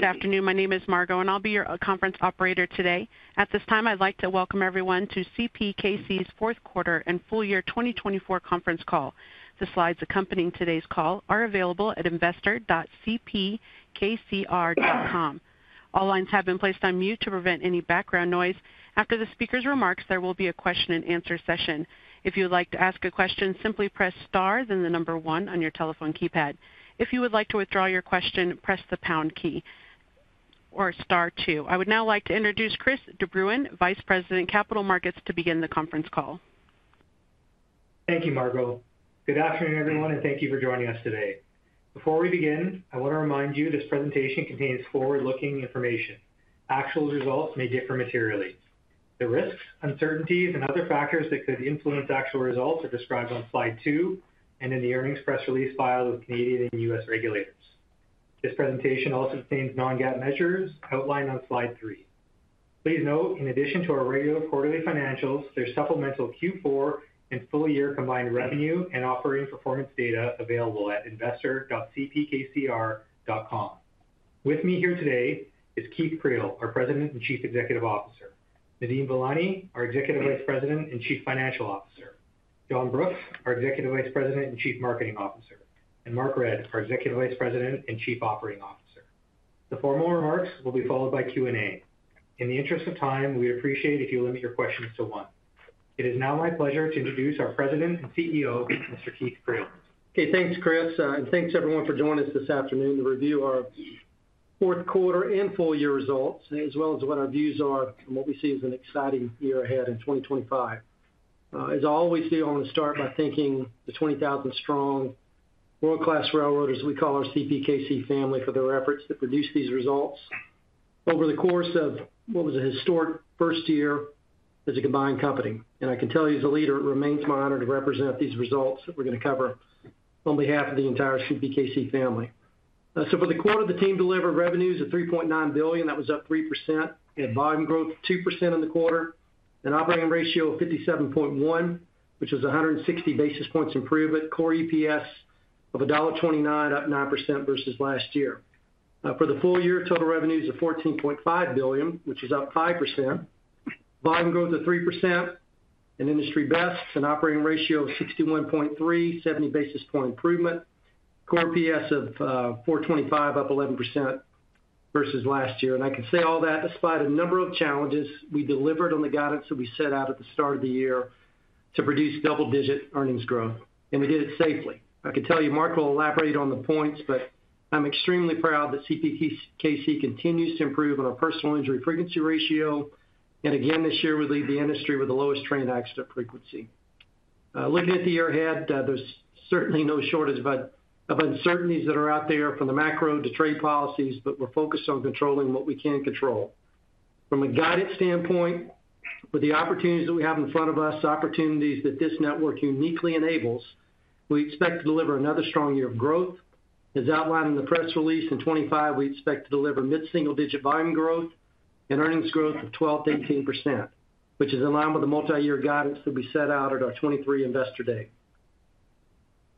Good afternoon. My name is Margo, and I'll be your conference operator today. At this time, I'd like to welcome everyone to CPKC's Fourth Quarter and Full Year 2024 Conference Call. The slides accompanying today's call are available at investor.cpkc.com. All lines have been placed on mute to prevent any background noise. After the speaker's remarks, there will be a question-and-answer session. If you would like to ask a question, simply press star, then the number one on your telephone keypad. If you would like to withdraw your question, press the pound key or star two. I would now like to introduce Chris de Bruyn, Vice President, Capital Markets, to begin the conference call. Thank you, Margo. Good afternoon, everyone, and thank you for joining us today. Before we begin, I want to remind you this presentation contains forward-looking information. Actual results may differ materially. The risks, uncertainties, and other factors that could influence actual results are described on slide two and in the earnings press release filed with Canadian and U.S. regulators. This presentation also contains non-GAAP measures outlined on slide three. Please note, in addition to our regular quarterly financials, there's supplemental Q4 and full year combined revenue and operating performance data available at investor.cpkcr.com. With me here today is Keith Creel, our President and Chief Executive Officer, Nadeem Velani, our Executive Vice President and Chief Financial Officer, John Brooks, our Executive Vice President and Chief Marketing Officer, and Mark Redd, our Executive Vice President and Chief Operating Officer. The formal remarks will be followed by Q&A.In the interest of time, we'd appreciate it if you limit your questions to one. It is now my pleasure to introduce our President and CEO, Mr. Keith Creel. Okay. Thanks, Chris. And thanks, everyone, for joining us this afternoon to review our fourth quarter and full year results, as well as what our views are and what we see as an exciting year ahead in 2025. As always, team, I want to start by thanking the 20,000-strong world-class railroaders, we call our CPKC family, for their efforts to produce these results over the course of what was a historic first year as a combined company. And I can tell you, as a leader, it remains my honor to represent these results that we're going to cover on behalf of the entire CPKC family. So for the quarter, the team delivered revenues of $3.9 billion. That was up 3%. We had volume growth of 2% in the quarter, an operating ratio of 57.1, which was 160 basis points improvement, core EPS of $1.29, up 9% versus last year. For the full year, total revenues of $14.5 billion, which is up 5%, volume growth of 3%, an industry best, an operating ratio of 61.3, 70 basis point improvement, core EPS of $4.25, up 11% versus last year. I can say all that despite a number of challenges. We delivered on the guidance that we set out at the start of the year to produce double-digit earnings growth, and we did it safely. I can tell you, Mark will elaborate on the points, but I'm extremely proud that CPKC continues to improve on our personal injury frequency ratio. Again, this year, we lead the industry with the lowest train accident frequency. Looking at the year ahead, there's certainly no shortage of uncertainties that are out there from the macro to trade policies, but we're focused on controlling what we can control. From a guidance standpoint, with the opportunities that we have in front of us, opportunities that this network uniquely enables, we expect to deliver another strong year of growth. As outlined in the press release, in 2025, we expect to deliver mid-single-digit volume growth and earnings growth of 12%-18%, which is in line with the multi-year guidance that we set out at our 2023 Investor Day.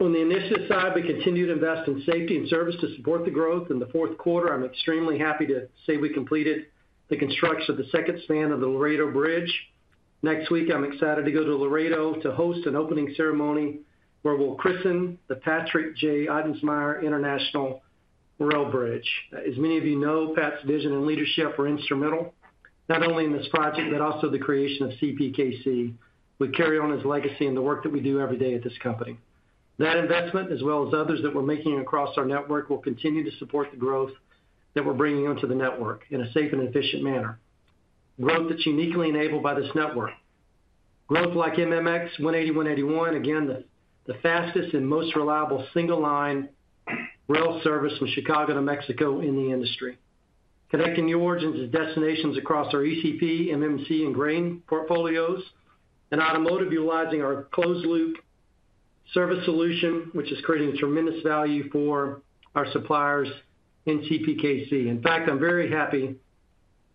On the capital side, we continue to invest in safety and service to support the growth. In the fourth quarter, I'm extremely happy to say we completed the construction of the second span of the Laredo Bridge. Next week, I'm excited to go to Laredo to host an opening ceremony where we'll christen the Patrick J. Ottensmeyer International Rail Bridge. As many of you know, Pat's vision and leadership were instrumental not only in this project but also the creation of CPKC. We carry on his legacy and the work that we do every day at this company. That investment, as well as others that we're making across our network, will continue to support the growth that we're bringing onto the network in a safe and efficient manner. Growth that's uniquely enabled by this network. Growth like MMX 180-181, again, the fastest and most reliable single-line rail service from Chicago to Mexico in the industry. Connecting new origins and destinations across our ECP, MMC, and grain portfolios and automotive, utilizing our closed-loop service solution, which is creating tremendous value for our suppliers in CPKC. In fact, I'm very happy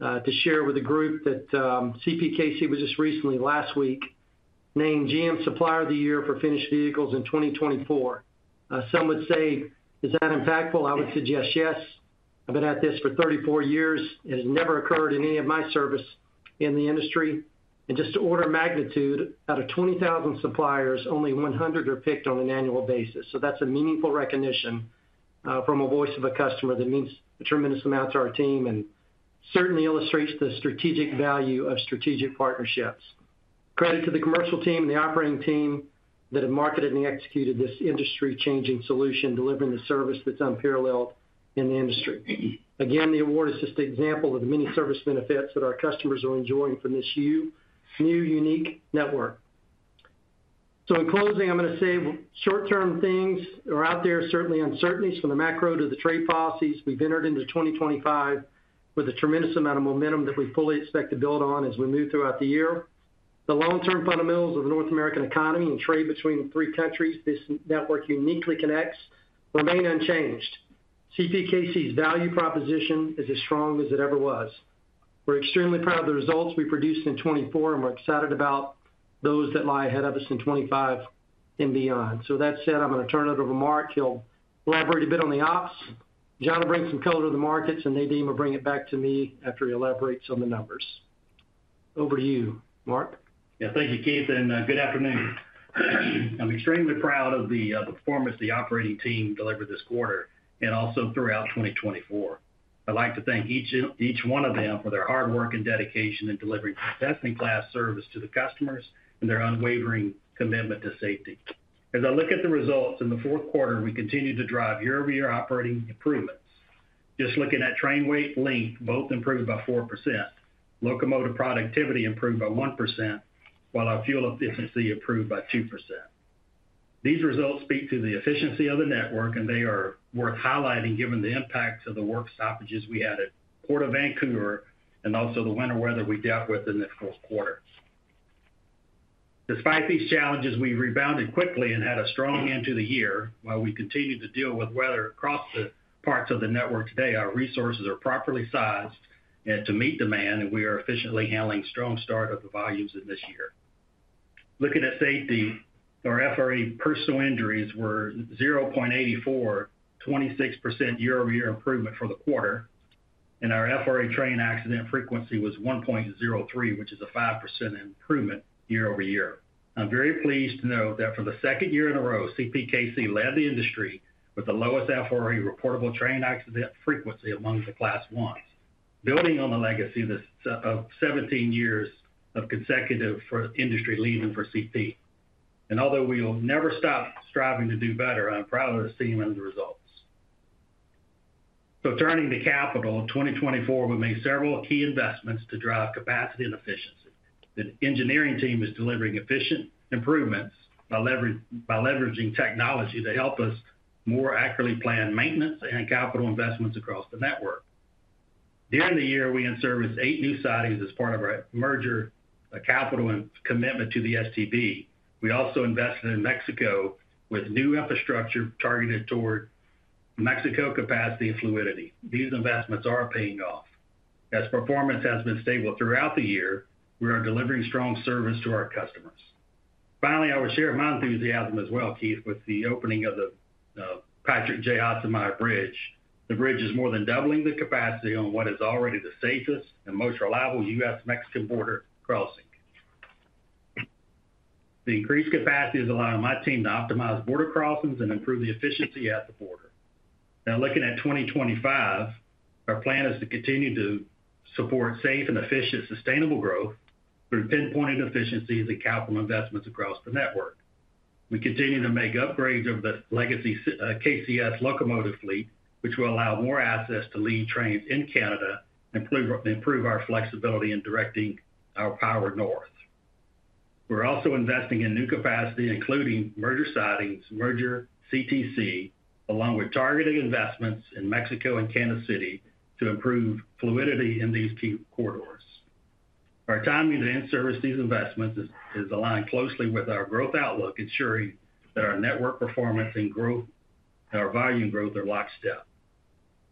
to share with the group that CPKC was just recently, last week, named GM Supplier of the Year for finished vehicles in 2024. Some would say, "Is that impactful?" I would suggest, "Yes." I've been at this for 34 years. It has never occurred in any of my service in the industry. And just to order of magnitude, out of 20,000 suppliers, only 100 are picked on an annual basis. So that's a meaningful recognition from a voice of a customer that means a tremendous amount to our team and certainly illustrates the strategic value of strategic partnerships. Credit to the commercial team and the operating team that have marketed and executed this industry-changing solution, delivering the service that's unparalleled in the industry. Again, the award is just an example of the many service benefits that our customers are enjoying from this new, unique network. So in closing, I'm going to say short-term things are out there, certainly uncertainties from the macro to the trade policies. We've entered into 2025 with a tremendous amount of momentum that we fully expect to build on as we move throughout the year. The long-term fundamentals of the North American economy and trade between the three countries this network uniquely connects remain unchanged. CPKC's value proposition is as strong as it ever was. We're extremely proud of the results we produced in 2024, and we're excited about those that lie ahead of us in 2025 and beyond. So that said, I'm going to turn it over to Mark. He'll elaborate a bit on the ops. John will bring some color to the markets, and Nadeem will bring it back to me after he elaborates on the numbers. Over to you, Mark. Yeah. Thank you, Keith, and good afternoon. I'm extremely proud of the performance the operating team delivered this quarter and also throughout 2024. I'd like to thank each one of them for their hard work and dedication in delivering best-in-class service to the customers and their unwavering commitment to safety. As I look at the results in the fourth quarter, we continue to drive year-over-year operating improvements. Just looking at train weight, length, both improved by 4%. Locomotive productivity improved by 1%, while our fuel efficiency improved by 2%. These results speak to the efficiency of the network, and they are worth highlighting given the impact of the work stoppages we had at Port of Vancouver and also the winter weather we dealt with in the fourth quarter. Despite these challenges, we rebounded quickly and had a strong end to the year. While we continue to deal with weather across the parts of the network today, our resources are properly sized to meet demand, and we are efficiently handling a strong start of the volumes in this year. Looking at safety, our FRA personal injuries were 0.84, 26% year-over-year improvement for the quarter, and our FRA train accident frequency was 1.03, which is a 5% improvement year-over-year. I'm very pleased to know that for the second year in a row, CPKC led the industry with the lowest FRA reportable train accident frequency among the Class 1s, building on the legacy of 17 years of consecutive industry leading for CP, and although we will never stop striving to do better, I'm proud of us seeing the results, so turning to capital, in 2024, we made several key investments to drive capacity and efficiency. The engineering team is delivering efficient improvements by leveraging technology to help us more accurately plan maintenance and capital investments across the network. During the year, we inserviced eight new sites as part of our merger capital and commitment to the STB. We also invested in Mexico with new infrastructure targeted toward Mexico capacity and fluidity. These investments are paying off. As performance has been stable throughout the year, we are delivering strong service to our customers. Finally, I would share my enthusiasm as well, Keith, with the opening of the Patrick J. Ottensmeyer Bridge. The bridge is more than doubling the capacity on what is already the safest and most reliable U.S.-Mexican border crossing. The increased capacity has allowed my team to optimize border crossings and improve the efficiency at the border. Now, looking at 2025, our plan is to continue to support safe and efficient sustainable growth through pinpointed efficiencies and capital investments across the network. We continue to make upgrades of the legacy KCS locomotive fleet, which will allow more access to lead trains in Canada and improve our flexibility in directing our power north. We're also investing in new capacity, including merger sites, merger CTC, along with targeted investments in Mexico and Kansas City to improve fluidity in these key corridors. Our timing to inservice these investments is aligned closely with our growth outlook, ensuring that our network performance and growth and our volume growth are locked step.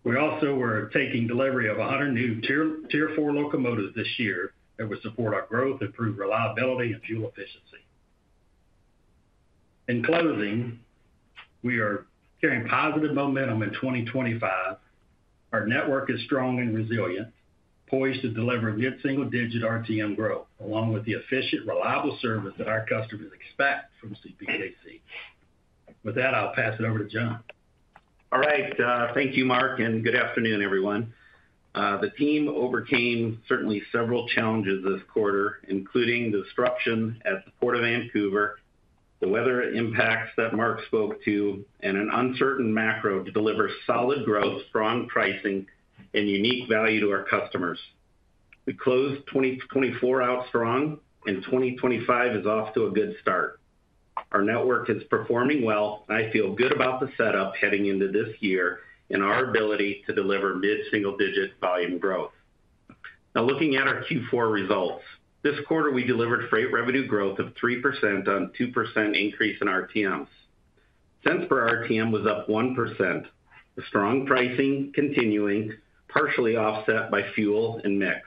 We also are taking delivery of 100 new Tier 4 locomotives this year that will support our growth, improve reliability, and fuel efficiency. In closing, we are carrying positive momentum in 2025. Our network is strong and resilient, poised to deliver mid-single-digit RTM growth, along with the efficient, reliable service that our customers expect from CPKC. With that, I'll pass it over to John. All right. Thank you, Mark, and good afternoon, everyone. The team overcame certainly several challenges this quarter, including the disruption at the Port of Vancouver, the weather impacts that Mark spoke to, and an uncertain macro to deliver solid growth, strong pricing, and unique value to our customers. We closed 2024 out strong, and 2025 is off to a good start. Our network is performing well. I feel good about the setup heading into this year and our ability to deliver mid-single-digit volume growth. Now, looking at our Q4 results, this quarter, we delivered freight revenue growth of 3% on a 2% increase in RTMs. Cents per RTM was up 1%, with strong pricing continuing, partially offset by fuel and mix.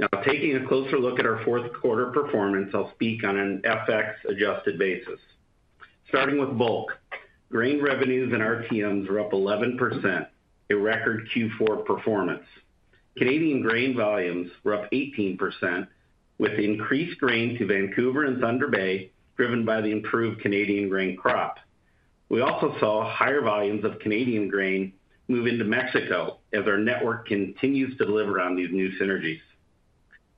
Now, taking a closer look at our fourth quarter performance, I'll speak on an FX-adjusted basis. Starting with bulk, grain revenues and RTMs were up 11%, a record Q4 performance. Canadian grain volumes were up 18%, with increased grain to Vancouver and Thunder Bay driven by the improved Canadian grain crop. We also saw higher volumes of Canadian grain move into Mexico as our network continues to deliver on these new synergies.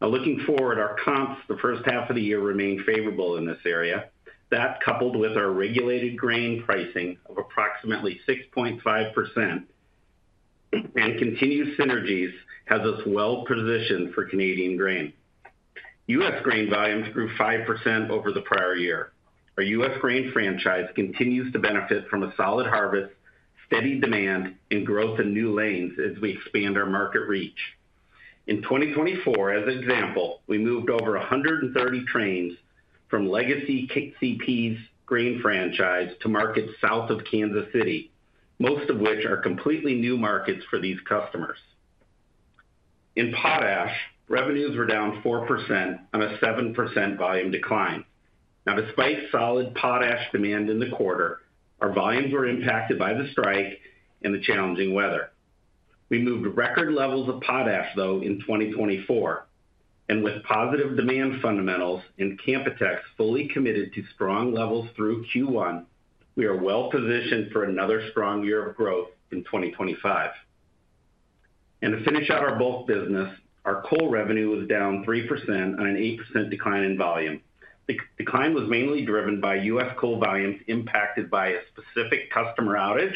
Now, looking forward, our comps for the first half of the year remained favorable in this area. That, coupled with our regulated grain pricing of approximately 6.5% and continued synergies, has us well-positioned for Canadian grain. U.S. grain volumes grew 5% over the prior year. Our U.S. Grain franchise continues to benefit from a solid harvest, steady demand, and growth in new lanes as we expand our market reach. In 2024, as an example, we moved over 130 trains from legacy CP's grain franchise to markets south of Kansas City, most of which are completely new markets for these customers. In potash, revenues were down 4% on a 7% volume decline. Now, despite solid potash demand in the quarter, our volumes were impacted by the strike and the challenging weather. We moved record levels of potash, though, in 2024. To finish out our bulk business, our coal revenue was down 3% on an 8% decline in volume. The decline was mainly driven by U.S. coal volumes impacted by a specific customer outage,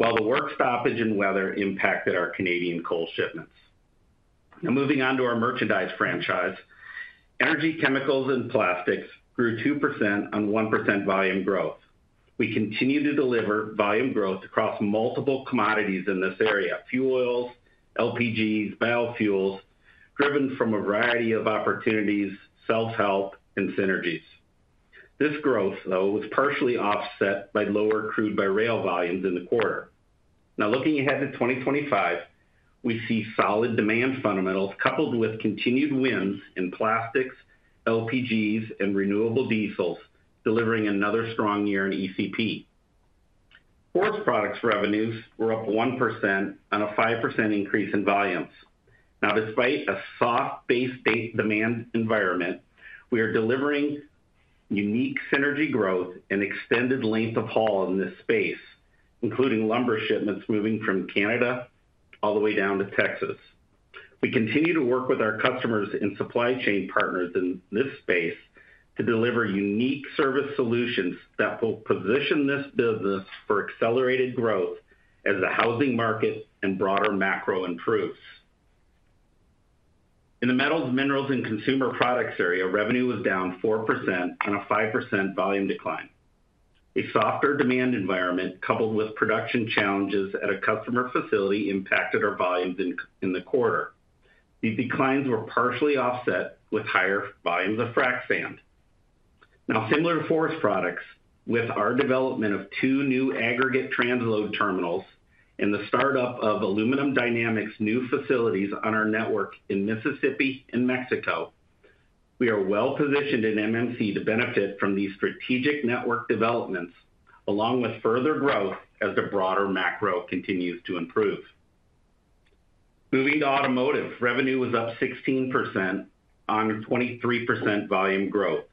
while the work stoppage and weather impacted our Canadian coal shipments. Now, moving on to our merchandise franchise, energy, chemicals, and plastics grew 2% on 1% volume growth. We continue to deliver volume growth across multiple commodities in this area: fuel oils, LPGs, biofuels, driven from a variety of opportunities, self-help, and synergies. This growth, though, was partially offset by lower crude-by-rail volumes in the quarter. Now, looking ahead to 2025, we see solid demand fundamentals coupled with continued wins in plastics, LPGs, and renewable diesels delivering another strong year in ECP. Forest products revenues were up 1% on a 5% increase in volumes. Now, despite a soft base demand environment, we are delivering unique synergy growth and extended length of haul in this space, including lumber shipments moving from Canada all the way down to Texas. We continue to work with our customers and supply chain partners in this space to deliver unique service solutions that will position this business for accelerated growth as the housing market and broader macro improves. In the metals, minerals, and consumer products area, revenue was down 4% on a 5% volume decline. A softer demand environment coupled with production challenges at a customer facility impacted our volumes in the quarter. These declines were partially offset with higher volumes of frac sand. Now, similar to forest products, with our development of two new aggregate transload terminals and the startup of Aluminum Dynamics' new facilities on our network in Mississippi and Mexico, we are well-positioned in MMC to benefit from these strategic network developments, along with further growth as the broader macro continues to improve. Moving to automotive, revenue was up 16% on a 23% volume growth,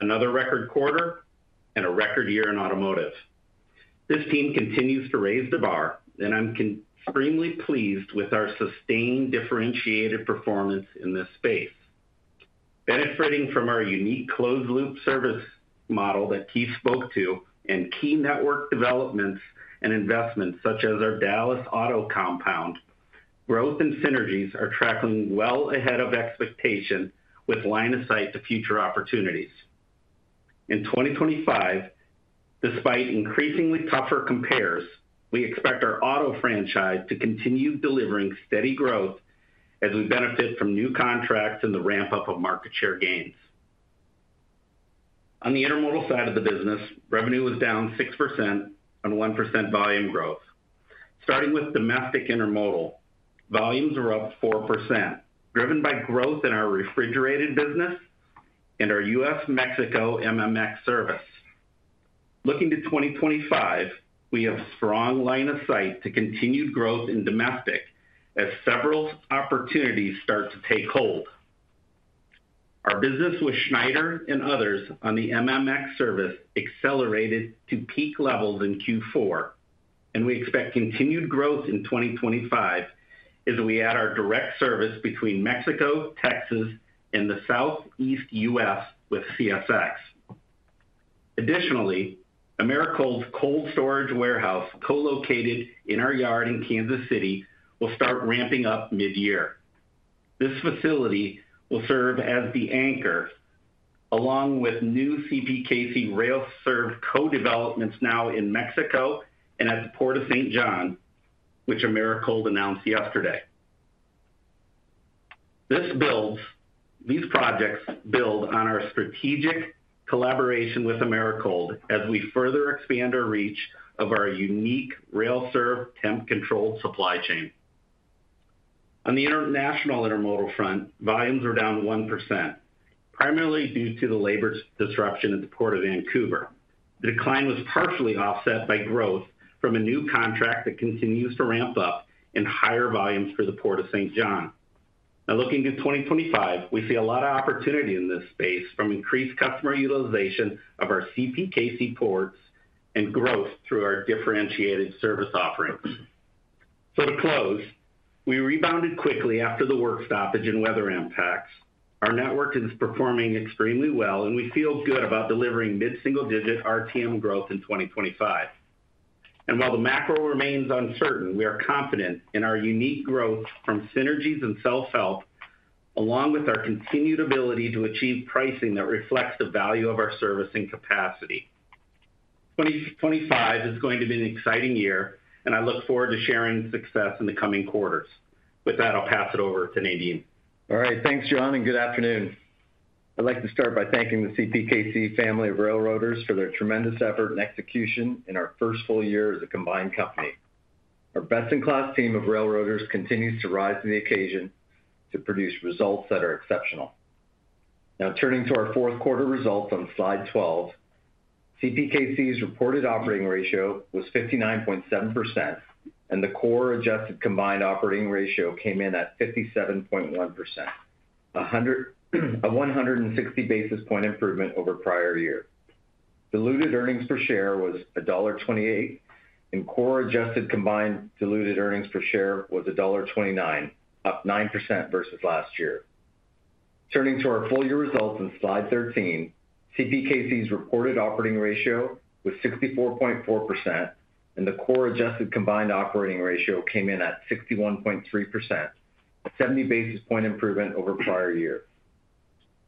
another record quarter, and a record year in automotive. This team continues to raise the bar, and I'm extremely pleased with our sustained differentiated performance in this space. Benefiting from our unique closed-loop service model that Keith spoke to and key network developments and investments such as our Dallas Auto Compound, growth and synergies are tracking well ahead of expectation with line of sight to future opportunities. In 2025, despite increasingly tougher compares, we expect our auto franchise to continue delivering steady growth as we benefit from new contracts and the ramp-up of market share gains. On the intermodal side of the business, revenue was down 6% on a 1% volume growth. Starting with domestic intermodal, volumes were up 4%, driven by growth in our refrigerated business and our U.S.-Mexico MMX service. Looking to 2025, we have a strong line of sight to continued growth in domestic as several opportunities start to take hold. Our business with Schneider and others on the MMX service accelerated to peak levels in Q4, and we expect continued growth in 2025 as we add our direct service between Mexico, Texas, and the southeast U.S. with CSX. Additionally, Americold's cold storage warehouse co-located in our yard in Kansas City will start ramping up mid-year. This facility will serve as the anchor, along with new CPKC rail-served co-developments now in Mexico and at the Port of Saint John, which Americold announced yesterday. These projects build on our strategic collaboration with Americold as we further expand our reach of our unique rail-served temp-controlled supply chain. On the international intermodal front, volumes were down 1%, primarily due to the labor disruption at the Port of Vancouver. The decline was partially offset by growth from a new contract that continues to ramp up in higher volumes for the Port of Saint John. Now, looking to 2025, we see a lot of opportunity in this space from increased customer utilization of our CPKC ports and growth through our differentiated service offerings. To close, we rebounded quickly after the work stoppage and weather impacts. Our network is performing extremely well, and we feel good about delivering mid-single-digit RTM growth in 2025. While the macro remains uncertain, we are confident in our unique growth from synergies and self-help, along with our continued ability to achieve pricing that reflects the value of our service and capacity. 2025 is going to be an exciting year, and I look forward to sharing success in the coming quarters. With that, I'll pass it over to Nadeem. All right. Thanks, John, and good afternoon. I'd like to start by thanking the CPKC family of railroaders for their tremendous effort and execution in our first full year as a combined company. Our best-in-class team of railroaders continues to rise to the occasion to produce results that are exceptional. Now, turning to our fourth quarter results on slide 12, CPKC's reported operating ratio was 59.7%, and the core-adjusted combined operating ratio came in at 57.1%, a 160 basis point improvement over prior years. Diluted earnings per share was $1.28, and core-adjusted combined diluted earnings per share was $1.29, up 9% versus last year. Turning to our full year results on slide 13, CPKC's reported operating ratio was 64.4%, and the core-adjusted combined operating ratio came in at 61.3%, a 70 basis point improvement over prior year.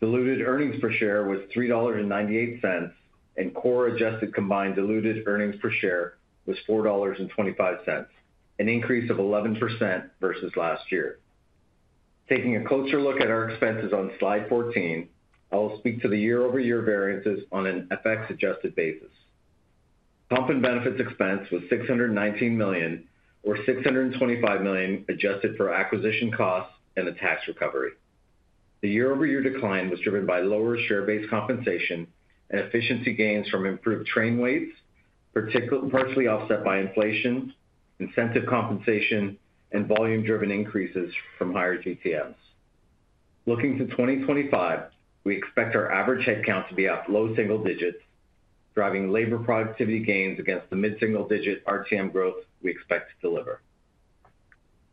Diluted earnings per share was 3.98 dollars, and core-adjusted combined diluted earnings per share was 4.25 dollars, an increase of 11% versus last year. Taking a closer look at our expenses on slide 14, I'll speak to the year-over-year variances on an FX-adjusted basis. Comp and benefits expense was 619 million, or 625 million adjusted for acquisition costs and the tax recovery. The year-over-year decline was driven by lower share-based compensation and efficiency gains from improved train weights, partially offset by inflation, incentive compensation, and volume-driven increases from higher GTMs. Looking to 2025, we expect our average headcount to be up low single digits, driving labor productivity gains against the mid-single digit RTM growth we expect to deliver.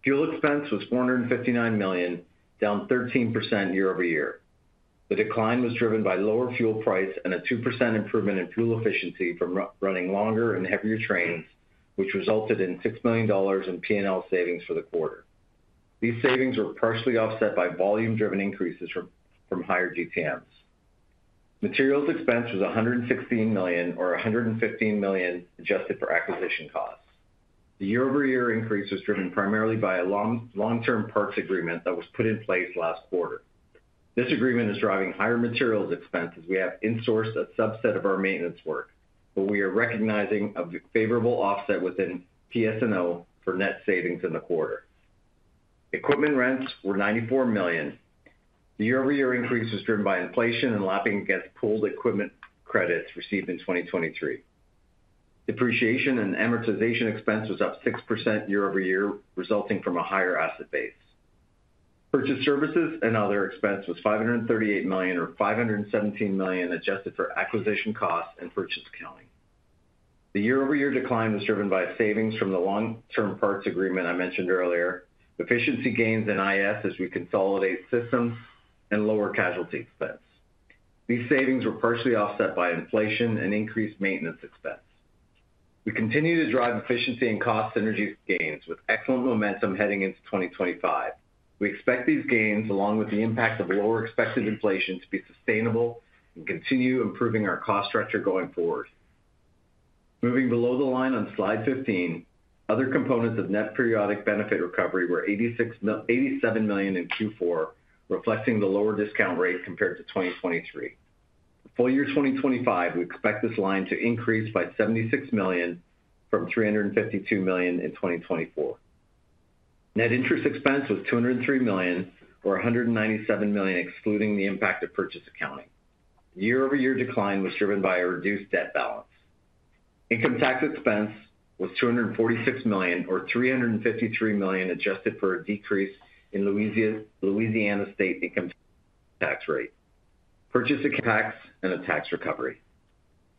Fuel expense was 459 million, down 13% year-over-year. The decline was driven by lower fuel price and a 2% improvement in fuel efficiency from running longer and heavier trains, which resulted in $6 million in P&L savings for the quarter. These savings were partially offset by volume-driven increases from higher GTMs. Materials expense was 116 million, or 115 million adjusted for acquisition costs. The year-over-year increase was driven primarily by a long-term parts agreement that was put in place last quarter. This agreement is driving higher materials expense as we have insourced a subset of our maintenance work, but we are recognizing a favorable offset within PS&O for net savings in the quarter. Equipment rents were 94 million. The year-over-year increase was driven by inflation and lapping against pooled equipment credits received in 2023. Depreciation and amortization expense was up 6% year-over-year, resulting from a higher asset base. Purchase services and other expense was 538 million, or 517 million adjusted for acquisition costs and purchase accounting. The year-over-year decline was driven by savings from the long-term parts agreement I mentioned earlier, efficiency gains in IS as we consolidate systems, and lower casualty expense. These savings were partially offset by inflation and increased maintenance expense. We continue to drive efficiency and cost synergy gains with excellent momentum heading into 2025. We expect these gains, along with the impact of lower expected inflation, to be sustainable and continue improving our cost structure going forward. Moving below the line on slide 15, other components of net periodic benefit recovery were 87 million in Q4, reflecting the lower discount rate compared to 2023. For full year 2025, we expect this line to increase by 76 million from 352 million in 2024. Net interest expense was 203 million, or 197 million excluding the impact of purchase accounting. Year-over-year decline was driven by a reduced debt balance. Income tax expense was 246 million, or 353 million adjusted for a decrease in Louisiana state income tax rate, purchase accounting, and a tax recovery.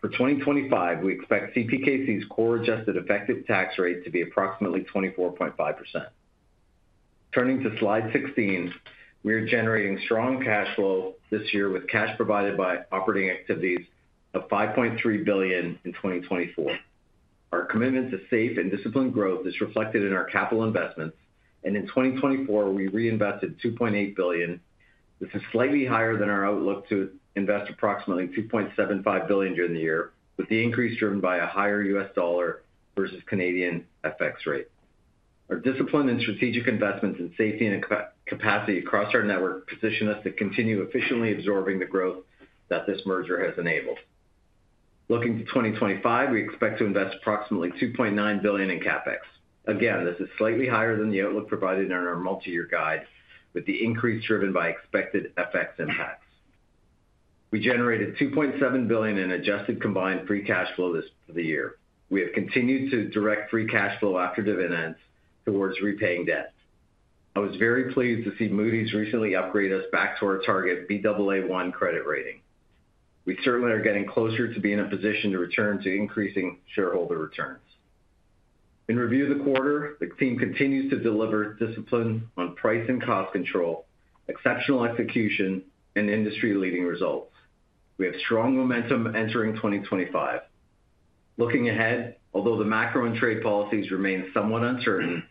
For 2025, we expect CPKC's core-adjusted effective tax rate to be approximately 24.5%. Turning to slide 16, we are generating strong cash flow this year with cash provided by operating activities of 5.3 billion in 2024. Our commitment to safe and disciplined growth is reflected in our capital investments, and in 2024, we reinvested 2.8 billion. This is slightly higher than our outlook to invest approximately 2.75 billion during the year, with the increase driven by a higher U.S. dollar versus Canadian FX rate. Our discipline and strategic investments in safety and capacity across our network position us to continue efficiently absorbing the growth that this merger has enabled. Looking to 2025, we expect to invest approximately 2.9 billion in CapEx. Again, this is slightly higher than the outlook provided in our multi-year guide, with the increase driven by expected FX impacts. We generated 2.7 billion in adjusted combined free cash flow this year. We have continued to direct free cash flow after dividends towards repaying debt. I was very pleased to see Moody's recently upgrade us back to our target Baa1 credit rating. We certainly are getting closer to being in a position to return to increasing shareholder returns. In review of the quarter, the team continues to deliver discipline on price and cost control, exceptional execution, and industry-leading results. We have strong momentum entering 2025. Looking ahead, although the macro and trade policies remain somewhat uncertain,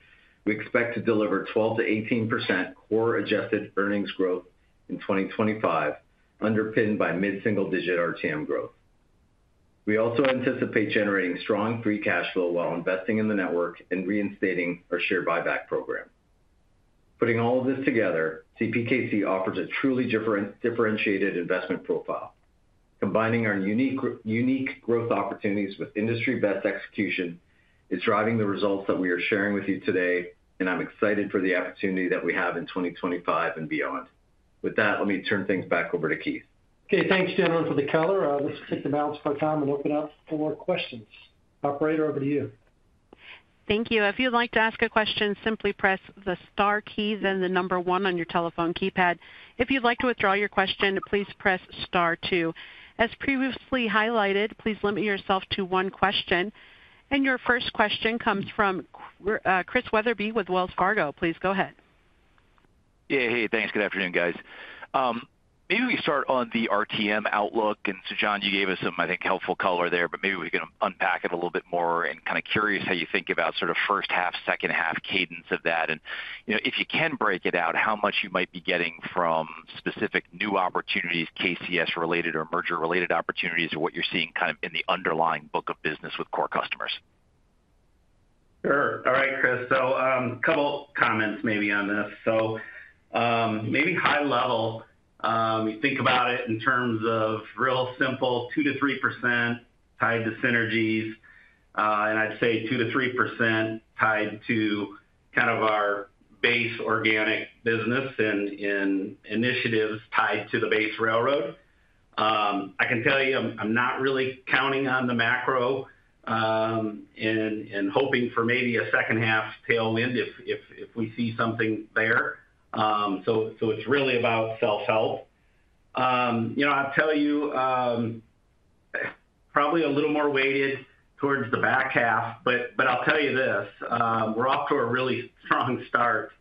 we expect to deliver 12%-18% core-adjusted earnings growth in 2025, underpinned by mid-single digit RTM growth. We also anticipate generating strong free cash flow while investing in the network and reinstating our share buyback program. Putting all of this together, CPKC offers a truly differentiated investment profile. Combining our unique growth opportunities with industry-best execution is driving the results that we are sharing with you today, and I'm excited for the opportunity that we have in 2025 and beyond. With that, let me turn things back over to Keith. Okay, thanks, gentlemen, for the color. Let's take the balance of our time and open up for questions. Operator, over to you. Thank you. If you'd like to ask a question, simply press the star key, then the number one on your telephone keypad. If you'd like to withdraw your question, please press star two. As previously highlighted, please limit yourself to one question. And your first question comes from Chris Weatherby with Wells Fargo. Please go ahead. Yeah, hey, thanks. Good afternoon, guys. Maybe we start on the RTM outlook, and so, John, you gave us some, I think, helpful color there, but maybe we can unpack it a little bit more and kind of curious how you think about sort of first half, second half cadence of that, and if you can break it out, how much you might be getting from specific new opportunities, KCS-related or merger-related opportunities, or what you're seeing kind of in the underlying book of business with core customers. Sure. All right, Chris. So a couple of comments maybe on this. So maybe high level, you think about it in terms of real simple 2%-3% tied to synergies, and I'd say 2%-3% tied to kind of our base organic business and initiatives tied to the base railroad. I can tell you I'm not really counting on the macro and hoping for maybe a second half tailwind if we see something there. So it's really about self-help. I'll tell you probably a little more weighted towards the back half, but I'll tell you this. We're off to a really strong start.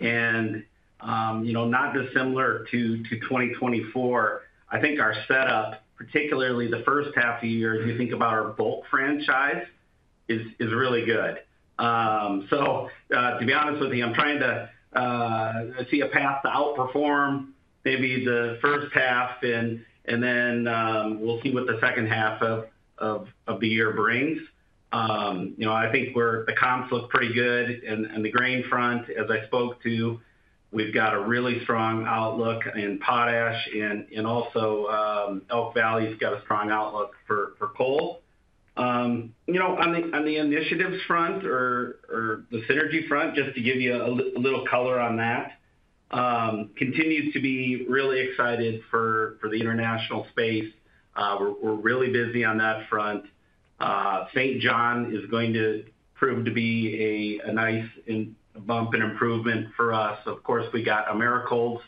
And not dissimilar to 2024, I think our setup, particularly the first half of the year, if you think about our bulk franchise, is really good. So to be honest with you, I'm trying to see a path to outperform maybe the first half, and then we'll see what the second half of the year brings. I think the comps look pretty good and the grain front, as I spoke to, we've got a really strong outlook in potash, and also Elk Valley's got a strong outlook for coal. On the initiatives front or the synergy front, just to give you a little color on that, continues to be really excited for the international space. We're really busy on that front. Saint John is going to prove to be a nice bump and improvement for us. Of course, we got Americold's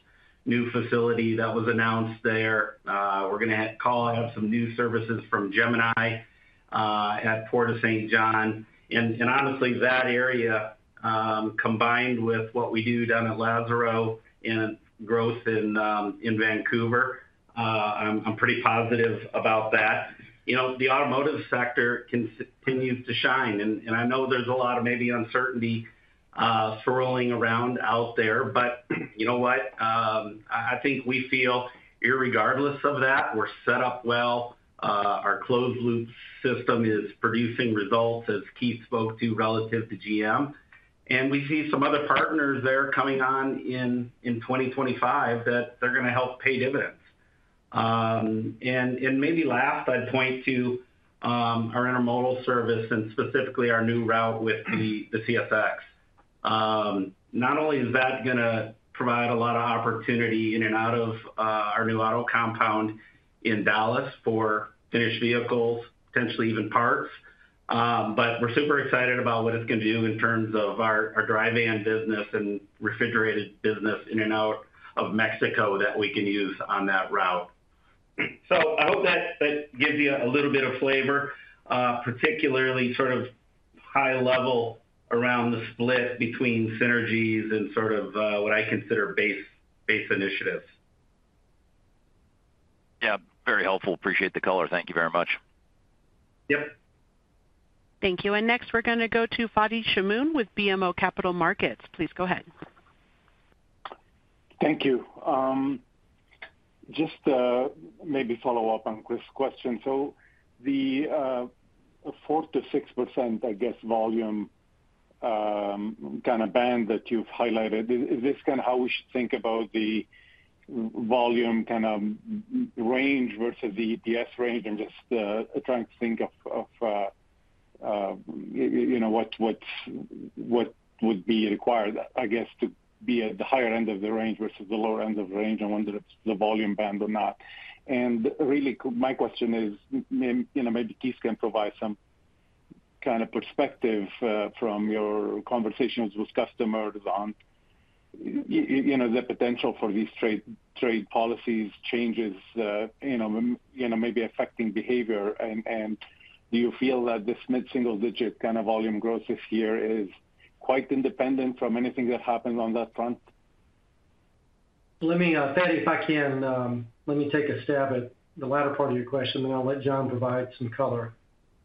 new facility that was announced there. We're going to call out some new services from Gemini at Port of Saint John. And honestly, that area combined with what we do down at Lázaro and growth in Vancouver, I'm pretty positive about that. The automotive sector continues to shine, and I know there's a lot of maybe uncertainty swirling around out there, but you know what? I think we feel irregardless of that, we're set up well. Our closed-loop system is producing results, as Keith spoke to, relative to GM. And we see some other partners there coming on in 2025 that they're going to help pay dividends. And maybe last, I'd point to our intermodal service and specifically our new route with the CSX. Not only is that going to provide a lot of opportunity in and out of our new auto compound in Dallas for finished vehicles, potentially even parts, but we're super excited about what it's going to do in terms of our dry van business and refrigerated business in and out of Mexico that we can use on that route, so I hope that gives you a little bit of flavor, particularly sort of high level around the split between synergies and sort of what I consider base initiatives. Yeah, very helpful. Appreciate the color. Thank you very much. Yep. Thank you. And next, we're going to go to Fadi Chamoun with BMO Capital Markets. Please go ahead. Thank you. Just to maybe follow up on Chris' question. So the 4%-6%, I guess, volume kind of band that you've highlighted, is this kind of how we should think about the volume kind of range versus the ETS range? I'm just trying to think of what would be required, I guess, to be at the higher end of the range versus the lower end of the range on whether it's the volume band or not. Really, my question is, maybe Keith can provide some kind of perspective from your conversations with customers on the potential for these trade policies changes maybe affecting behavior. And do you feel that this mid-single digit kind of volume growth this year is quite independent from anything that happens on that front? Let me add that if I can, let me take a stab at the latter part of your question, and then I'll let John provide some color.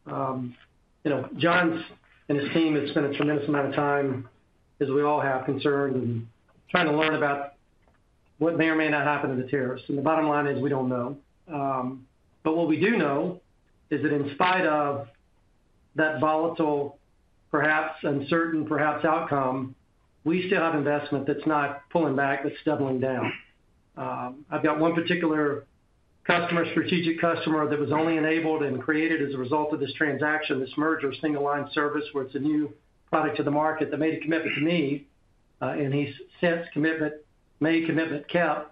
John and his team, it's been a tremendous amount of time, as we all have, concerned and trying to learn about what may or may not happen to the tariffs. And the bottom line is we don't know. But what we do know is that in spite of that volatile, perhaps uncertain, perhaps outcome, we still have investment that's not pulling back, that's doubling down. I've got one particular strategic customer that was only enabled and created as a result of this transaction, this merger, single line service where it's a new product to the market that made a commitment to me. And he's since made commitment kept,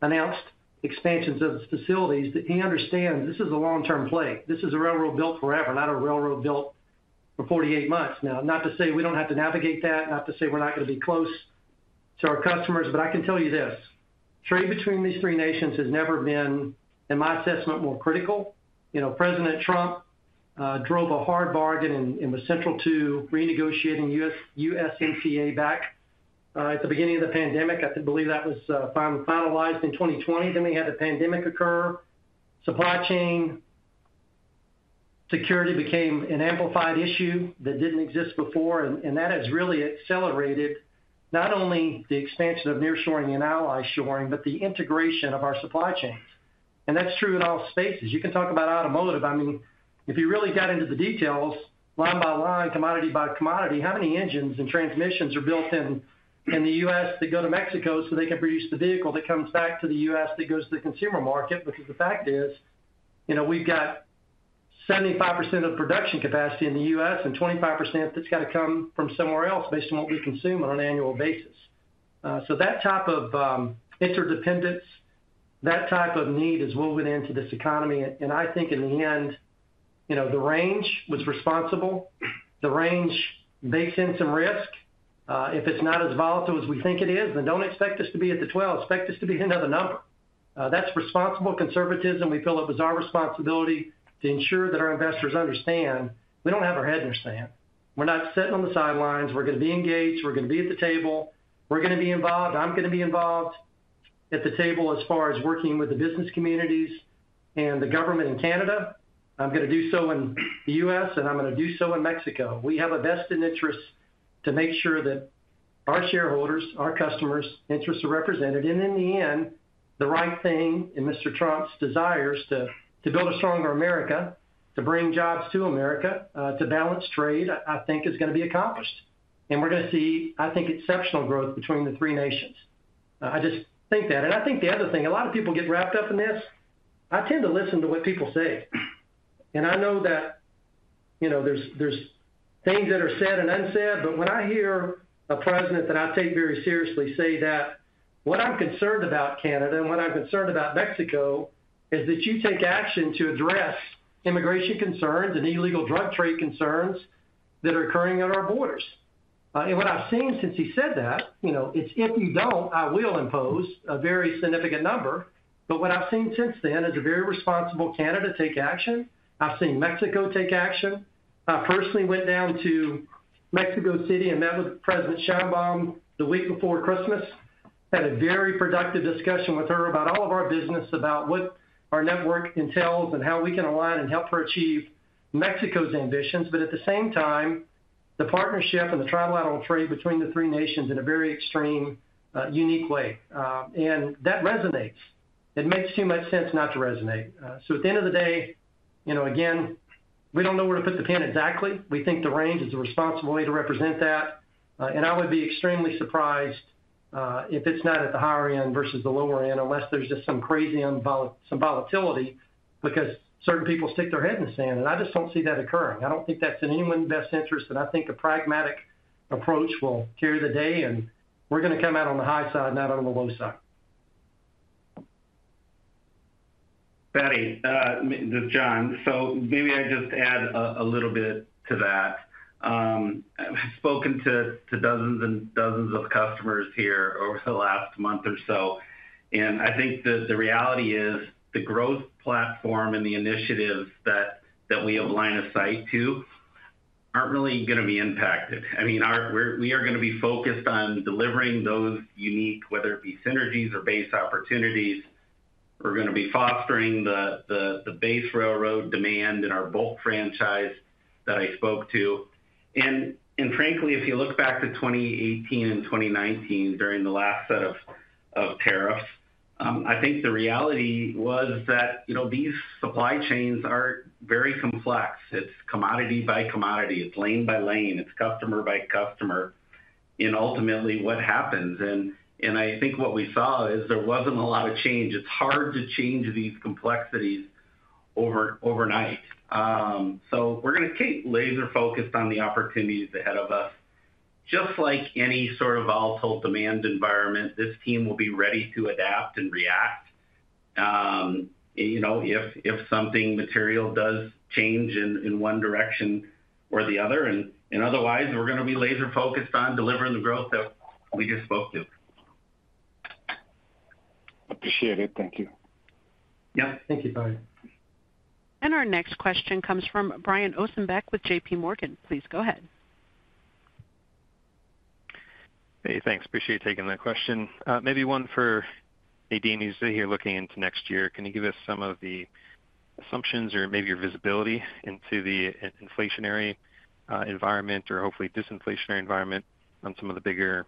announced expansions of his facilities that he understands this is a long-term play. This is a railroad built forever, not a railroad built for 48 months. Now, not to say we don't have to navigate that, not to say we're not going to be close to our customers, but I can tell you this. Trade between these three nations has never been, in my assessment, more critical. President Trump drove a hard bargain and was central to renegotiating USMCA back at the beginning of the pandemic. I believe that was finalized in 2020. Then we had the pandemic occur. Supply chain security became an amplified issue that didn't exist before. And that has really accelerated not only the expansion of nearshoring and ally shoring, but the integration of our supply chains. And that's true in all spaces. You can talk about automotive. I mean, if you really got into the details, line by line, commodity by commodity, how many engines and transmissions are built in the U.S. that go to Mexico so they can produce the vehicle that comes back to the U.S. that goes to the consumer market? Because the fact is we've got 75% of production capacity in the U.S. and 25% that's got to come from somewhere else based on what we consume on an annual basis, so that type of interdependence, that type of need is woven into this economy, and I think in the end, the range was responsible. The range bakes in some risk. If it's not as volatile as we think it is, then don't expect us to be at the 12. Expect us to be another number. That's responsible conservatism. We feel it was our responsibility to ensure that our investors understand. We don't have our head in the sand. We're not sitting on the sidelines. We're going to be engaged. We're going to be at the table. We're going to be involved. I'm going to be involved at the table as far as working with the business communities and the government in Canada. I'm going to do so in the US, and I'm going to do so in Mexico. We have a vested interest to make sure that our shareholders, our customers' interests are represented. And in the end, the right thing in Mr. Trump's desires to build a stronger America, to bring jobs to America, to balance trade, I think is going to be accomplished. And we're going to see, I think, exceptional growth between the three nations. I just think that. And I think the other thing, a lot of people get wrapped up in this. I tend to listen to what people say. I know that there's things that are said and unsaid, but when I hear a president that I take very seriously say that what I'm concerned about Canada and what I'm concerned about Mexico is that you take action to address immigration concerns and illegal drug trade concerns that are occurring at our borders. What I've seen since he said that, it's if you don't, I will impose a very significant number. What I've seen since then is a very responsible Canada take action. I've seen Mexico take action. I personally went down to Mexico City and met with President Sheinbaum the week before Christmas, had a very productive discussion with her about all of our business, about what our network entails and how we can align and help her achieve Mexico's ambitions. But at the same time, the partnership and the trilateral trade between the three nations in a very extreme, unique way, and that resonates. It makes too much sense not to resonate, so at the end of the day, again, we don't know where to put the pin exactly. We think the range is a responsible way to represent that, and I would be extremely surprised if it's not at the higher end versus the lower end unless there's just some crazy volatility because certain people stick their head in the sand, and I just don't see that occurring. I don't think that's in anyone's best interest, and I think a pragmatic approach will carry the day, and we're going to come out on the high side, not on the low side. Fadi, John, so maybe I just add a little bit to that. I've spoken to dozens and dozens of customers here over the last month or so. And I think that the reality is the growth platform and the initiatives that we have line of sight to aren't really going to be impacted. I mean, we are going to be focused on delivering those unique, whether it be synergies or base opportunities. We're going to be fostering the base railroad demand in our bulk franchise that I spoke to. And frankly, if you look back to 2018 and 2019 during the last set of tariffs, I think the reality was that these supply chains are very complex. It's commodity by commodity. It's lane by lane. It's customer by customer. And ultimately, what happens? And I think what we saw is there wasn't a lot of change. It's hard to change these complexities overnight. So we're going to keep laser-focused on the opportunities ahead of us. Just like any sort of volatile demand environment, this team will be ready to adapt and react if something material does change in one direction or the other. And otherwise, we're going to be laser-focused on delivering the growth that we just spoke to. Appreciate it. Thank you. Yep. Thank you, Fadi. And our next question comes from Brian Ossenbeck with JPMorgan. Please go ahead. Hey, thanks. Appreciate you taking that question. Maybe one for Nadeem who's here looking into next year. Can you give us some of the assumptions or maybe your visibility into the inflationary environment or hopefully disinflationary environment on some of the bigger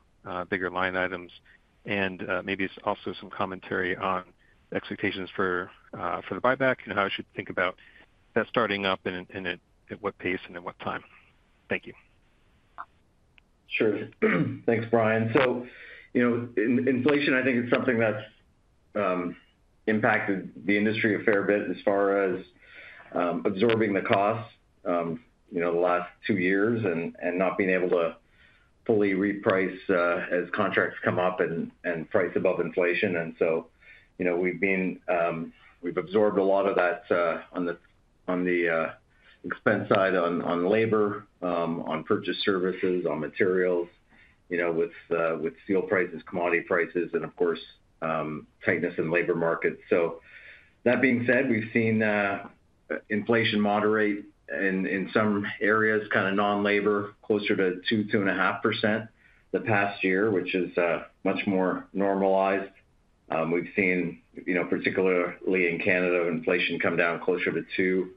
line items? And maybe it's also some commentary on expectations for the buyback and how you should think about that starting up and at what pace and at what time. Thank you. Sure. Thanks, Brian. So inflation, I think, is something that's impacted the industry a fair bit as far as absorbing the costs the last two years and not being able to fully reprice as contracts come up and price above inflation. And so we've absorbed a lot of that on the expense side on labor, on purchase services, on materials with steel prices, commodity prices, and of course, tightness in labor markets. So that being said, we've seen inflation moderate in some areas, kind of non-labor, closer to 2-2.5% the past year, which is much more normalized. We've seen, particularly in Canada, inflation come down closer to 2%.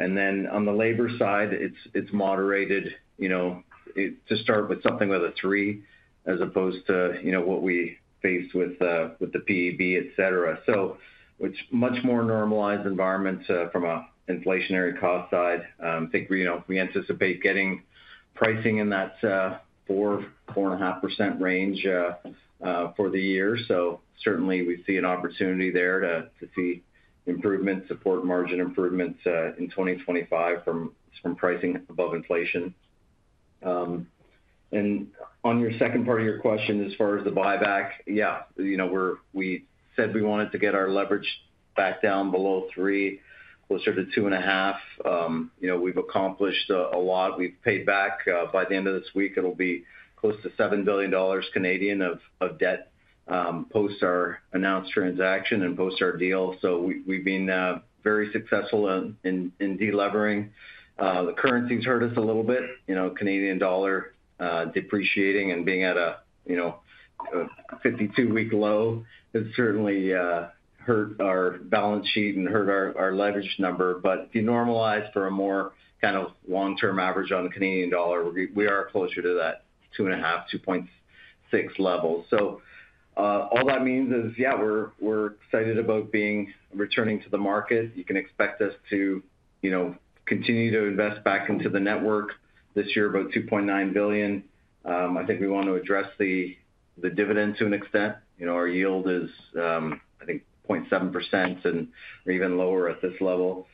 And then on the labor side, it's moderated to start with something like a 3% as opposed to what we faced with the PEB, etc. So it's a much more normalized environment from an inflationary cost side. I think we anticipate getting pricing in that 4-4.5% range for the year. So certainly, we see an opportunity there to see improvements, support margin improvements in 2025 from pricing above inflation. And on your second part of your question as far as the buyback, yeah, we said we wanted to get our leverage back down below 3, closer to 2.5. We've accomplished a lot. We've paid back by the end of this week, it'll be close to 7 billion Canadian dollars of debt post our announced transaction and post our deal. So we've been very successful in delevering. The currency's hurt us a little bit. Canadian dollar depreciating and being at a 52-week low has certainly hurt our balance sheet and hurt our leverage number. But if you normalize for a more kind of long-term average on the Canadian dollar, we are closer to that 2.5, 2.6 level. So all that means is, yeah, we're excited about returning to the market. You can expect us to continue to invest back into the network this year, about 2.9 billion. I think we want to address the dividend to an extent. Our yield is, I think, 0.7% and even lower at this level.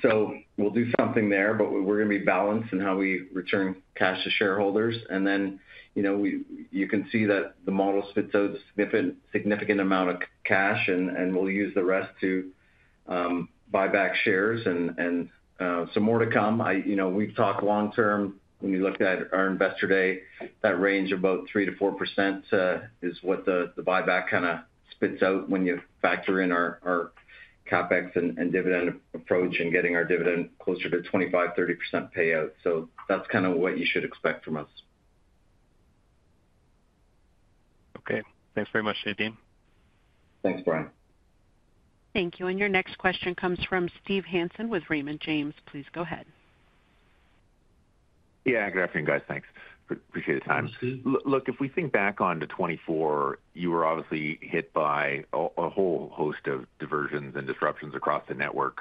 So we'll do something there, but we're going to be balanced in how we return cash to shareholders, and then you can see that the model spits out a significant amount of cash, and we'll use the rest to buy back shares and some more to come. We've talked long-term. When you look at our investor day, that range of about 3%-4% is what the buyback kind of spits out when you factor in our CapEx and dividend approach and getting our dividend closer to 25%-30% payout. So that's kind of what you should expect from us. Okay. Thanks very much, Nadeem. Thanks, Brian. Thank you. And your next question comes from Steve Hansen with Raymond James. Please go ahead. Yeah, good afternoon, guys. Thanks. Appreciate the time. Look, if we think back to 2024, you were obviously hit by a whole host of diversions and disruptions across the network.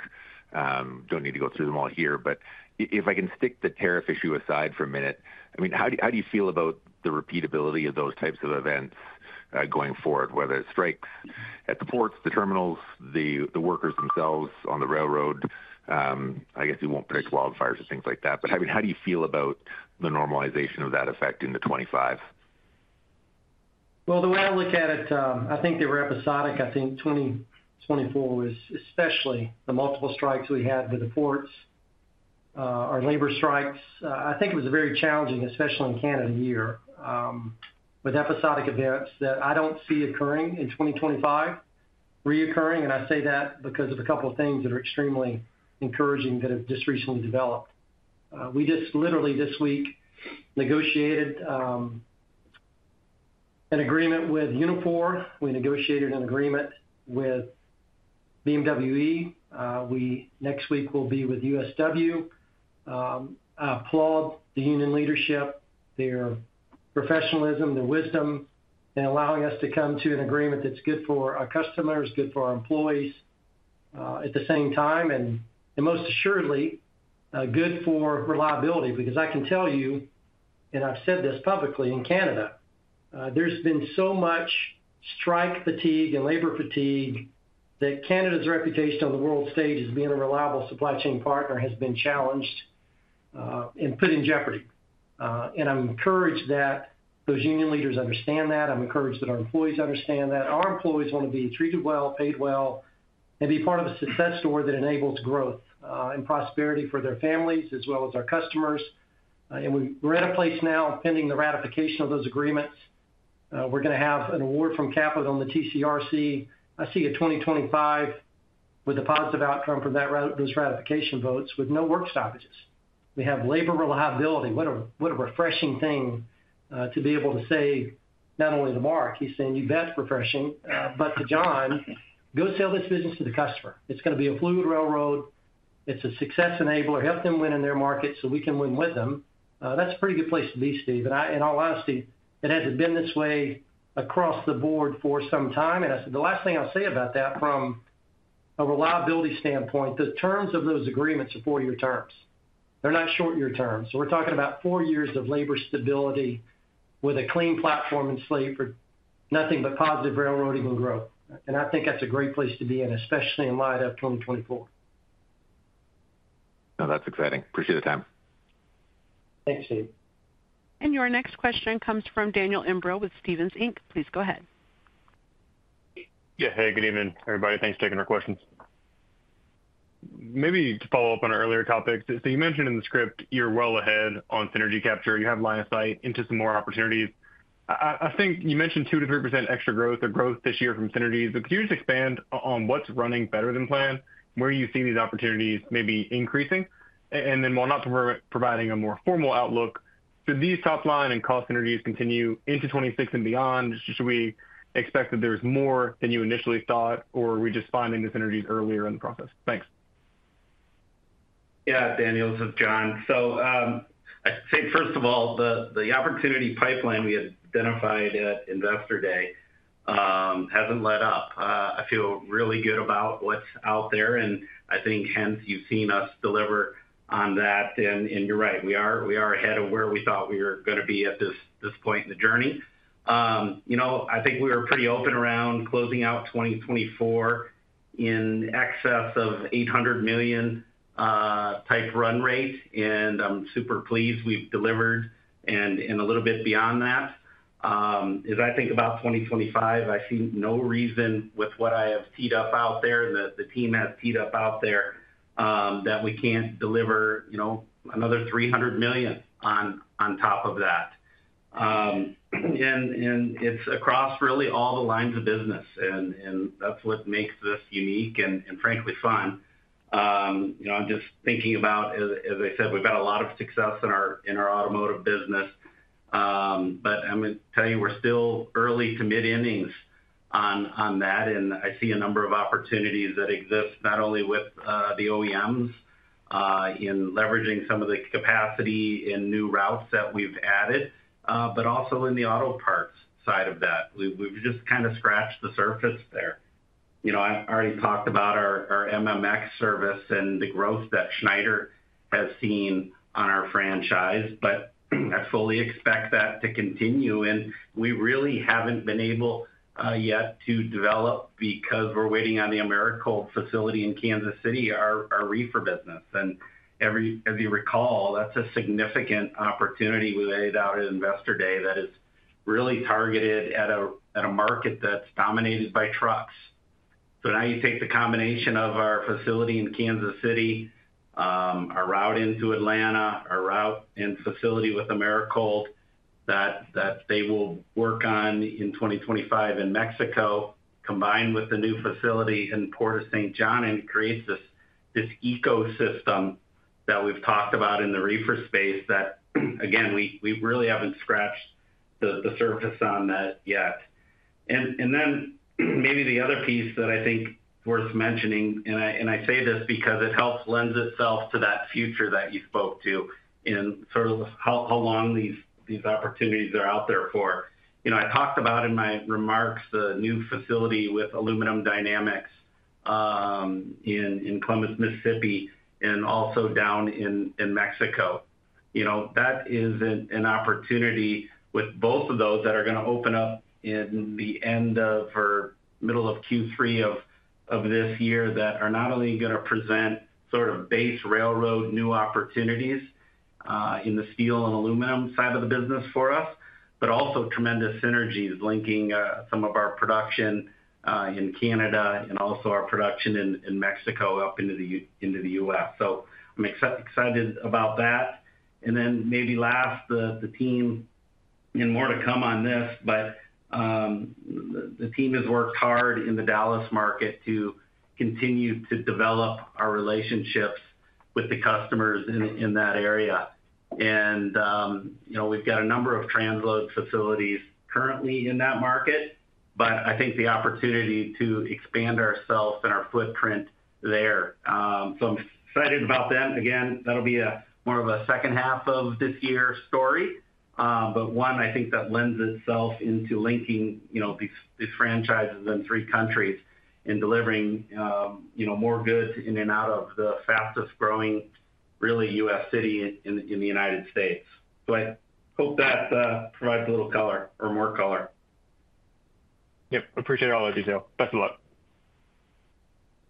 Don't need to go through them all here. But if I can set the tariff issue aside for a minute, I mean, how do you feel about the repeatability of those types of events going forward, whether it's strikes at the ports, the terminals, the workers themselves on the railroad? I guess you won't predict wildfires and things like that. But I mean, how do you feel about the normalization of that effect in 2025? The way I look at it, I think they were episodic. I think 2024 was especially the multiple strikes we had with the ports, our labor strikes. I think it was a very challenging, especially in Canada, year with episodic events that I don't see occurring in 2025 recurring. I say that because of a couple of things that are extremely encouraging that have just recently developed. We just literally this week negotiated an agreement with Unifor. We negotiated an agreement with BMWED. Next week, we'll be with USW. I applaud the union leadership, their professionalism, their wisdom, and allowing us to come to an agreement that's good for our customers, good for our employees at the same time, and most assuredly good for reliability. Because I can tell you, and I've said this publicly in Canada, there's been so much strike fatigue and labor fatigue that Canada's reputation on the world stage as being a reliable supply chain partner has been challenged and put in jeopardy. And I'm encouraged that those union leaders understand that. I'm encouraged that our employees understand that. Our employees want to be treated well, paid well, and be part of a success story that enables growth and prosperity for their families as well as our customers. And we're at a place now, pending the ratification of those agreements. We're going to have an award from Capital on the TCRC. I see a 2025 with a positive outcome for those ratification votes with no work stoppages. We have labor reliability. What a refreshing thing to be able to say not only to Mark. He's saying, "You bet, refreshing." But to John, "Go sell this business to the customer." It's going to be a fluid railroad. It's a success enabler. Help them win in their market so we can win with them. That's a pretty good place to be, Steve. I'll ask Steve, "It hasn't been this way across the board for some time." The last thing I'll say about that from a reliability standpoint, the terms of those agreements are four-year terms. They're not short-term. So we're talking about four years of labor stability with a clean slate for nothing but positive railroading and growth. I think that's a great place to be in, especially in light of 2024. No, that's exciting. Appreciate the time. Thanks, Steve. And your next question comes from Daniel Imbro with Stephens Inc. Please go ahead. Yeah. Hey, good evening, everybody. Thanks for taking our questions. Maybe to follow up on an earlier topic. So you mentioned in the script you're well ahead on synergy capture. You have line of sight into some more opportunities. I think you mentioned 2%-3% extra growth or growth this year from synergies. But could you just expand on what's running better than planned? Where do you see these opportunities maybe increasing? And then, while not providing a more formal outlook, should these top-line and cost synergies continue into 2026 and beyond? Should we expect that there's more than you initially thought, or are we just finding the synergies earlier in the process? Thanks. Yeah, Daniel's with John. So I think, first of all, the opportunity pipeline we had identified at investor day hasn't let up. I feel really good about what's out there. And I think, hence, you've seen us deliver on that. And you're right. We are ahead of where we thought we were going to be at this point in the journey. I think we were pretty open around closing out 2024 in excess of 800 million type run rate. And I'm super pleased we've delivered and a little bit beyond that. As I think about 2025, I see no reason with what I have teed up out there and that the team has teed up out there that we can't deliver another 300 million on top of that. And it's across really all the lines of business. And that's what makes this unique and frankly fun. I'm just thinking about, as I said, we've had a lot of success in our automotive business. But I'm going to tell you, we're still early to mid-innings on that. And I see a number of opportunities that exist not only with the OEMs in leveraging some of the capacity and new routes that we've added, but also in the auto parts side of that. We've just kind of scratched the surface there. I already talked about our MMX service and the growth that Schneider has seen on our franchise. But I fully expect that to continue. And we really haven't been able yet to develop because we're waiting on the Americold facility in Kansas City, our reefer business. And as you recall, that's a significant opportunity we laid out at investor day that is really targeted at a market that's dominated by trucks. So now you take the combination of our facility in Kansas City, our route into Atlanta, our route and facility with Americold that they will work on in 2025 in Mexico, combined with the new facility in Port of Saint John, and creates this ecosystem that we've talked about in the reefer space that, again, we really haven't scratched the surface on that yet. And then maybe the other piece that I think is worth mentioning, and I say this because it helps lend itself to that future that you spoke to in sort of how long these opportunities are out there for. I talked about in my remarks the new facility with Aluminum Dynamics in Columbus, Mississippi, and also down in Mexico. That is an opportunity with both of those that are going to open up in the end of or middle of Q3 of this year that are not only going to present sort of base railroad new opportunities in the steel and aluminum side of the business for us, but also tremendous synergies linking some of our production in Canada and also our production in Mexico up into the U.S. So I'm excited about that. And then maybe last, the team and more to come on this, but the team has worked hard in the Dallas market to continue to develop our relationships with the customers in that area. And we've got a number of transload facilities currently in that market, but I think the opportunity to expand ourselves and our footprint there. So I'm excited about them. Again, that'll be more of a second half of this year's story. One, I think that lends itself to linking these franchises in three countries and delivering more goods in and out of the fastest growing really U.S. city in the United States. So I hope that provides a little color or more color. Yep. Appreciate all that detail. Thanks a lot.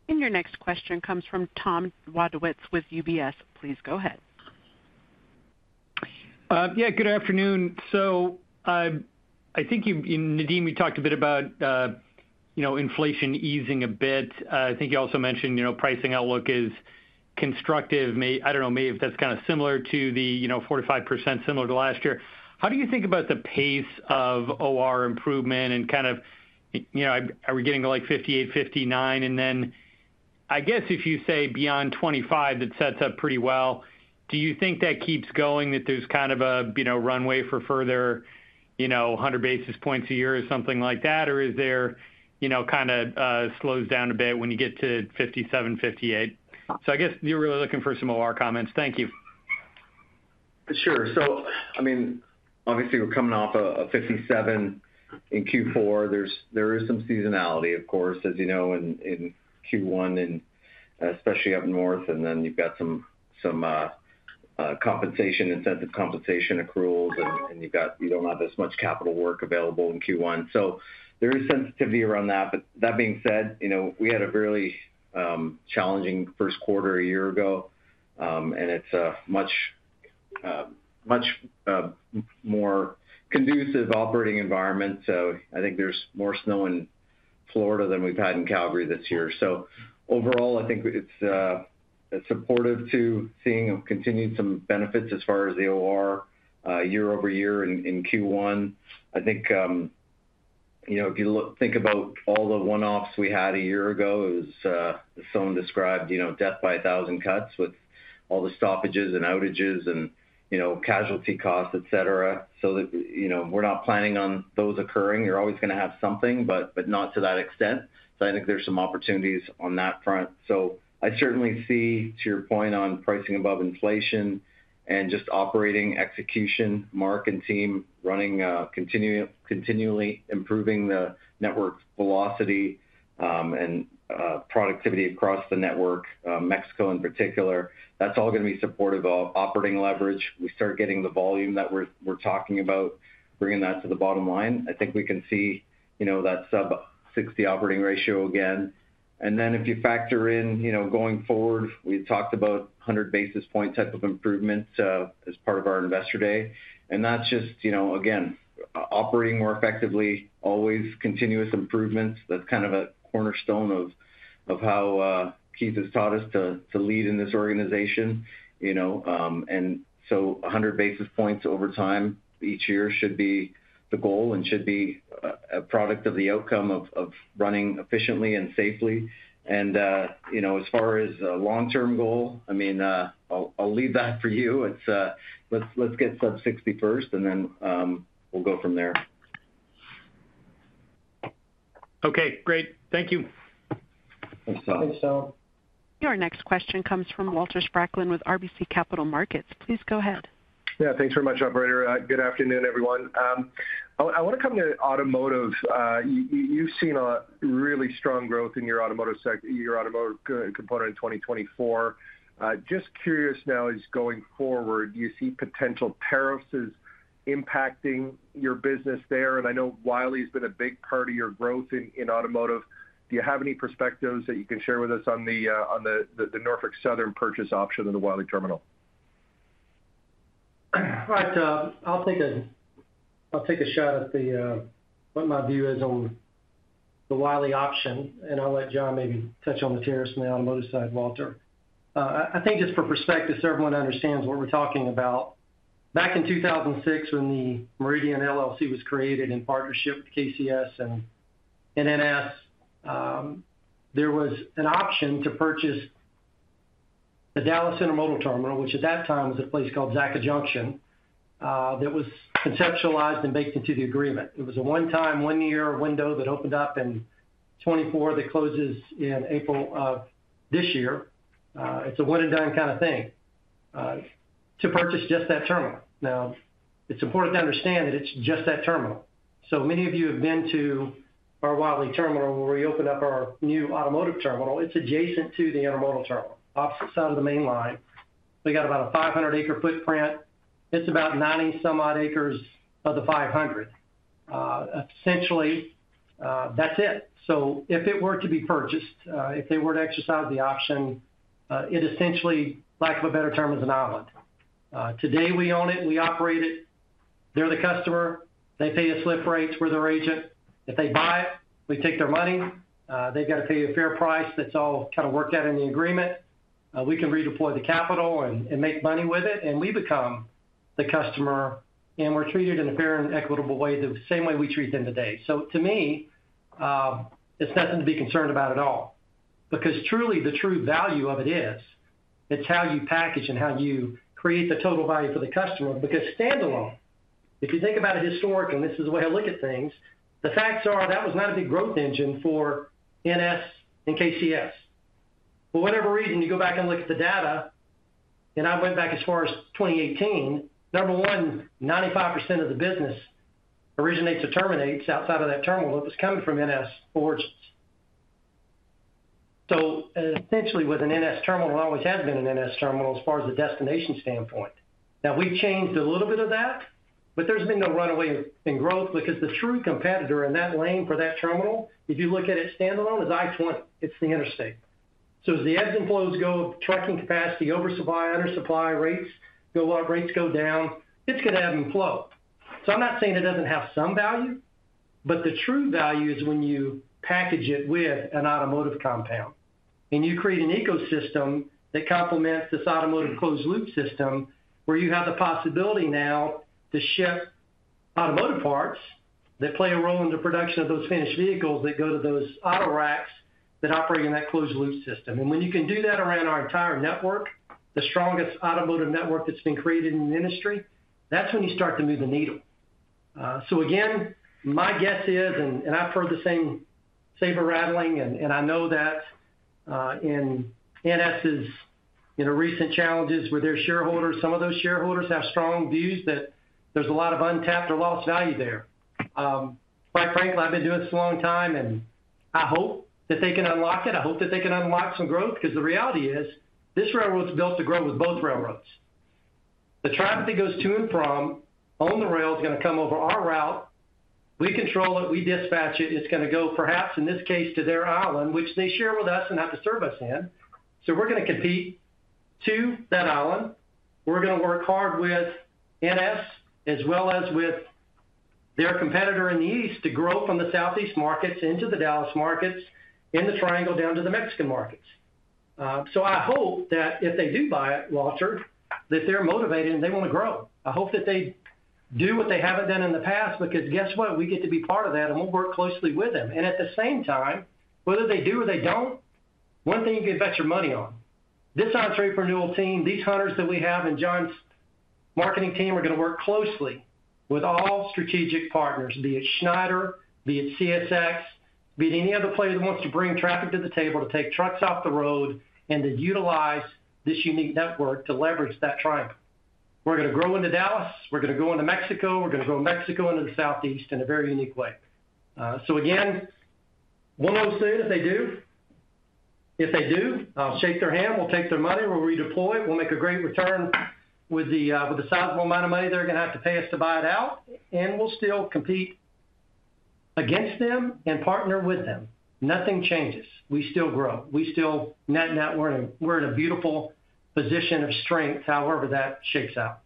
Your next question comes from Tom Wadowitz with UBS. Please go ahead. Yeah, good afternoon. So I think, Nadeem, we talked a bit about inflation easing a bit. I think you also mentioned pricing outlook is constructive. I don't know, maybe that's kind of similar to the 4%-5% similar to last year. How do you think about the pace of OR improvement and kind of are we getting to like 58, 59? And then I guess if you say beyond 25, that sets up pretty well. Do you think that keeps going, that there's kind of a runway for further 100 basis points a year or something like that, or is there kind of slows down a bit when you get to 57, 58? So I guess you're really looking for some OR comments. Thank you. Sure. So I mean, obviously, we're coming off of 57 in Q4. There is some seasonality, of course, as you know, in Q1, and especially up north, and then you've got some compensation, incentive compensation accruals, and you don't have as much capital work available in Q1. So there is sensitivity around that, but that being said, we had a really challenging first quarter a year ago, and it's a much more conducive operating environment. So I think there's more snow in Florida than we've had in Calgary this year. So overall, I think it's supportive to seeing continued some benefits as far as the OR year over year in Q1. I think if you think about all the one-offs we had a year ago, as someone described, death by a thousand cuts with all the stoppages and outages and casualty costs, etc. So we're not planning on those occurring. You're always going to have something, but not to that extent. So I think there's some opportunities on that front. So I certainly see, to your point on pricing above inflation and just operating execution, Mark and team running continually improving the network velocity and productivity across the network, Mexico in particular. That's all going to be supportive of operating leverage. We start getting the volume that we're talking about, bringing that to the bottom line. I think we can see that sub-60 operating ratio again. And then if you factor in going forward, we talked about 100 basis point type of improvement as part of our investor day. And that's just, again, operating more effectively, always continuous improvements. That's kind of a cornerstone of how Keith has taught us to lead in this organization. So 100 basis points over time each year should be the goal and should be a product of the outcome of running efficiently and safely. As far as a long-term goal, I mean, I'll leave that for you. Let's get sub-60 first, and then we'll go from there. Okay. Great. Thank you. Thanks, Tom. Your next question comes from Walter Spracklin with RBC Capital Markets. Please go ahead. Yeah. Thanks very much, operator. Good afternoon, everyone. I want to come to automotive. You've seen a really strong growth in your automotive component in 2024. Just curious now, as going forward, do you see potential tariffs impacting your business there? And I know Wylie has been a big part of your growth in automotive. Do you have any perspectives that you can share with us on the Norfolk Southern purchase option of the Wylie terminal? All right. I'll take a shot at what my view is on the Wylie option, and I'll let John maybe touch on the tariffs on the automotive side, Walter. I think just for perspective, so everyone understands what we're talking about. Back in 2006, when the Meridian LLC was created in partnership with KCS and NS, there was an option to purchase the Dallas Intermodal Terminal, which at that time was a place called Zacha Junction, that was conceptualized and baked into the agreement. It was a one-time, one-year window that opened up in 2024 that closes in April of this year. It's a one-and-done kind of thing to purchase just that terminal. Now, it's important to understand that it's just that terminal. So many of you have been to our Wylie terminal where we open up our new automotive terminal. It's adjacent to the Intermodal Terminal, opposite side of the main line. We got about a 500-acre footprint. It's about 90-some-odd acres of the 500. Essentially, that's it, so if it were to be purchased, if they were to exercise the option, it essentially, lack of a better term, is an island. Today, we own it. We operate it. They're the customer. They pay us lift rates with their agent. If they buy it, we take their money. They've got to pay a fair price. That's all kind of worked out in the agreement. We can redeploy the capital and make money with it, and we become the customer, and we're treated in a fair and equitable way, the same way we treat them today. So, to me, it's nothing to be concerned about at all because truly, the true value of it is it's how you package and how you create the total value for the customer. Because standalone, if you think about it historically, and this is the way I look at things, the facts are that was not a big growth engine for NS and KCS. For whatever reason, you go back and look at the data, and I went back as far as 2018. Number one, 95% of the business originates or terminates outside of that terminal that was coming from NS origins. So essentially, with an NS terminal, it always has been an NS terminal as far as the destination standpoint. Now, we've changed a little bit of that, but there's been no runaway in growth because the true competitor in that lane for that terminal, if you look at it standalone, is I-20. It's the interstate. So as the ebbs and flows go of trucking capacity, oversupply, undersupply rates, rates go down, it's going to ebb and flow. So I'm not saying it doesn't have some value, but the true value is when you package it with an automotive compound and you create an ecosystem that complements this automotive closed-loop system where you have the possibility now to ship automotive parts that play a role in the production of those finished vehicles that go to those auto racks that operate in that closed-loop system. When you can do that around our entire network, the strongest automotive network that's been created in the industry, that's when you start to move the needle. So again, my guess is, and I've heard the same saber rattling, and I know that in NS's recent challenges with their shareholders, some of those shareholders have strong views that there's a lot of untapped or lost value there. Quite frankly, I've been doing this a long time, and I hope that they can unlock it. I hope that they can unlock some growth because the reality is this railroad's built to grow with both railroads. The traffic that goes to and from on the rail is going to come over our route. We control it. We dispatch it. It's going to go, perhaps in this case, to their island, which they share with us and have to serve us in. So we're going to compete to that island. We're going to work hard with NS as well as with their competitor in the east to grow from the southeast markets into the Dallas markets and the triangle down to the Mexican markets. So I hope that if they do buy it, Walter, that they're motivated and they want to grow. I hope that they do what they haven't done in the past because guess what? We get to be part of that, and we'll work closely with them. And at the same time, whether they do or they don't, one thing you can bet your money on. This entrepreneurial team, these hunters that we have and John's marketing team are going to work closely with all strategic partners, be it Schneider, be it CSX, be it any other player that wants to bring traffic to the table to take trucks off the road and to utilize this unique network to leverage that triangle. We're going to grow into Dallas. We're going to go into Mexico. We're going to grow Mexico into the southeast in a very unique way. So again, one of those things, if they do, I'll shake their hand. We'll take their money. We'll redeploy. We'll make a great return with the sizable amount of money they're going to have to pay us to buy it out, and we'll still compete against them and partner with them. Nothing changes. We still grow. We still net net. We're in a beautiful position of strength, however that shakes out.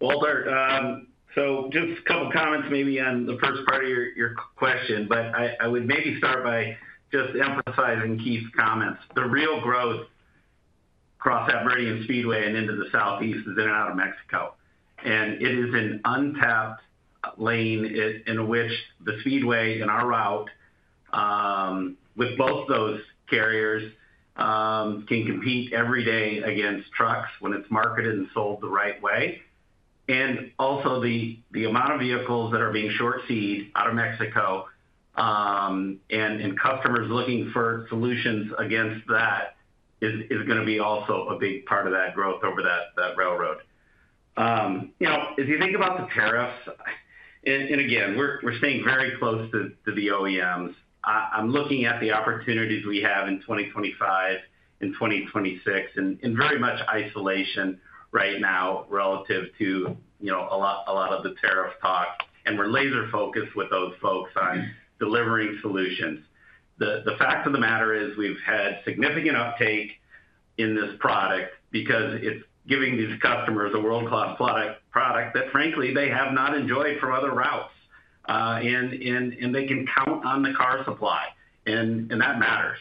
Walter, so just a couple of comments maybe on the first part of your question, but I would maybe start by just emphasizing Keith's comments. The real growth across that Meridian Speedway and into the southeast is in and out of Mexico. And it is an untapped lane in which the Speedway and our route with both those carriers can compete every day against trucks when it's marketed and sold the right way. And also, the amount of vehicles that are being short shipped out of Mexico and customers looking for solutions against that is going to be also a big part of that growth over that railroad. As you think about the tariffs, and again, we're staying very close to the OEMs. I'm looking at the opportunities we have in 2025 and 2026 in very much isolation right now relative to a lot of the tariff talk. And we're laser-focused with those folks on delivering solutions. The fact of the matter is we've had significant uptake in this product because it's giving these customers a world-class product that, frankly, they have not enjoyed from other routes. And they can count on the car supply, and that matters.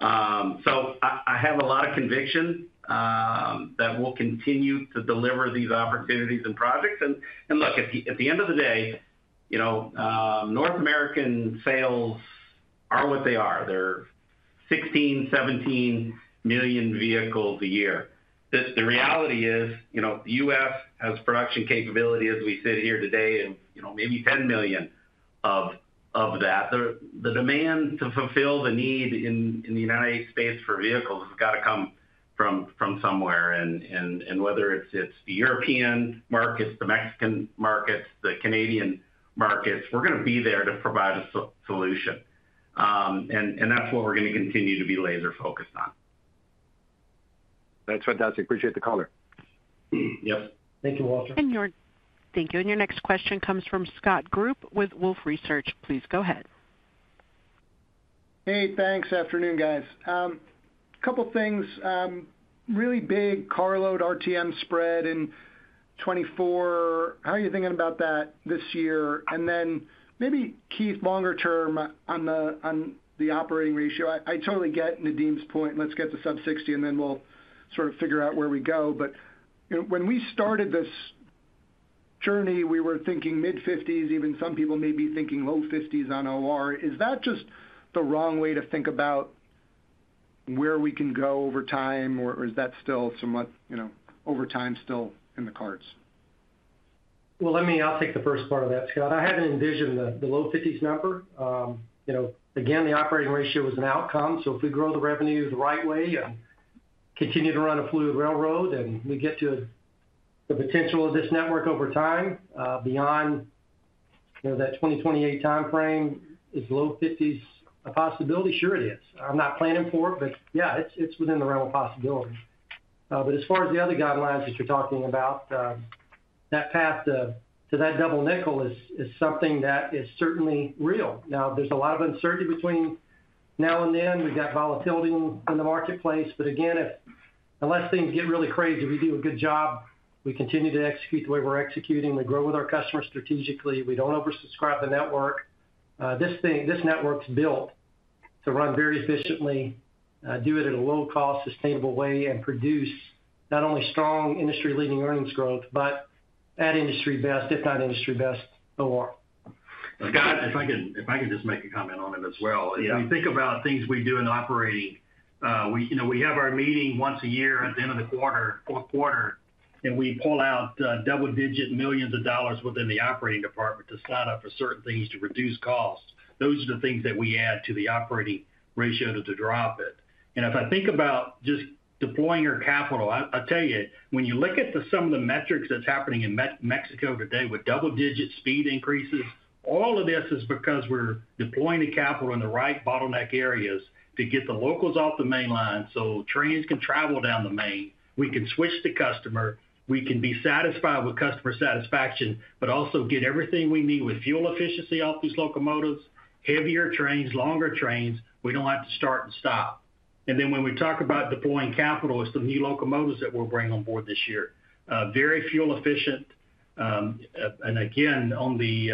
So I have a lot of conviction that we'll continue to deliver these opportunities and projects. And look, at the end of the day, North American sales are what they are. They're 16, 17 million vehicles a year. The reality is the U.S. has production capability as we sit here today of maybe 10 million of that. The demand to fulfill the need in the United States for vehicles has got to come from somewhere. And whether it's the European markets, the Mexican markets, the Canadian markets, we're going to be there to provide a solution. That's what we're going to continue to be laser-focused on. That's fantastic. Appreciate the color. Yep. Thank you, Walter. Thank you. And your next question comes from Scott Group with Wolfe Research. Please go ahead. Hey, thanks. Afternoon, guys. A couple of things. Really big carload RTM spread in 2024. How are you thinking about that this year? And then maybe, Keith, longer term on the operating ratio. I totally get Nadeem's point. Let's get to sub-60, and then we'll sort of figure out where we go. But when we started this journey, we were thinking mid-50s. Even some people may be thinking low-50s on OR. Is that just the wrong way to think about where we can go over time, or is that still somewhat over time still in the cards? I'll take the first part of that, Scott. I haven't envisioned the low-50s number. Again, the operating ratio is an outcome. So if we grow the revenue the right way and continue to run a fluid railroad and we get to the potential of this network over time, beyond that 2028 timeframe, is low-50s a possibility? Sure, it is. I'm not planning for it, but yeah, it's within the realm of possibility. But as far as the other guidelines that you're talking about, that path to that double nickel is something that is certainly real. Now, there's a lot of uncertainty between now and then. We've got volatility in the marketplace. But again, unless things get really crazy, we do a good job. We continue to execute the way we're executing. We grow with our customers strategically. We don't oversubscribe the network. This network's built to run very efficiently, do it at a low-cost, sustainable way, and produce not only strong industry-leading earnings growth, but at industry best, if not industry best, OR. Scott, if I can just make a comment on it as well. If you think about things we do in operating, we have our meeting once a year at the end of the quarter, and we pull out double-digit millions of dollars within the operating department to sign up for certain things to reduce costs. Those are the things that we add to the operating ratio to drop it. And if I think about just deploying our capital, I'll tell you, when you look at some of the metrics that's happening in Mexico today with double-digit speed increases, all of this is because we're deploying the capital in the right bottleneck areas to get the locals off the mainline so trains can travel down the main. We can switch the customer. We can be satisfied with customer satisfaction, but also get everything we need with fuel efficiency of these locomotives, heavier trains, longer trains. We don't have to start and stop. And then when we talk about deploying capital, it's the new locomotives that we'll bring on board this year. Very fuel efficient. And again, on the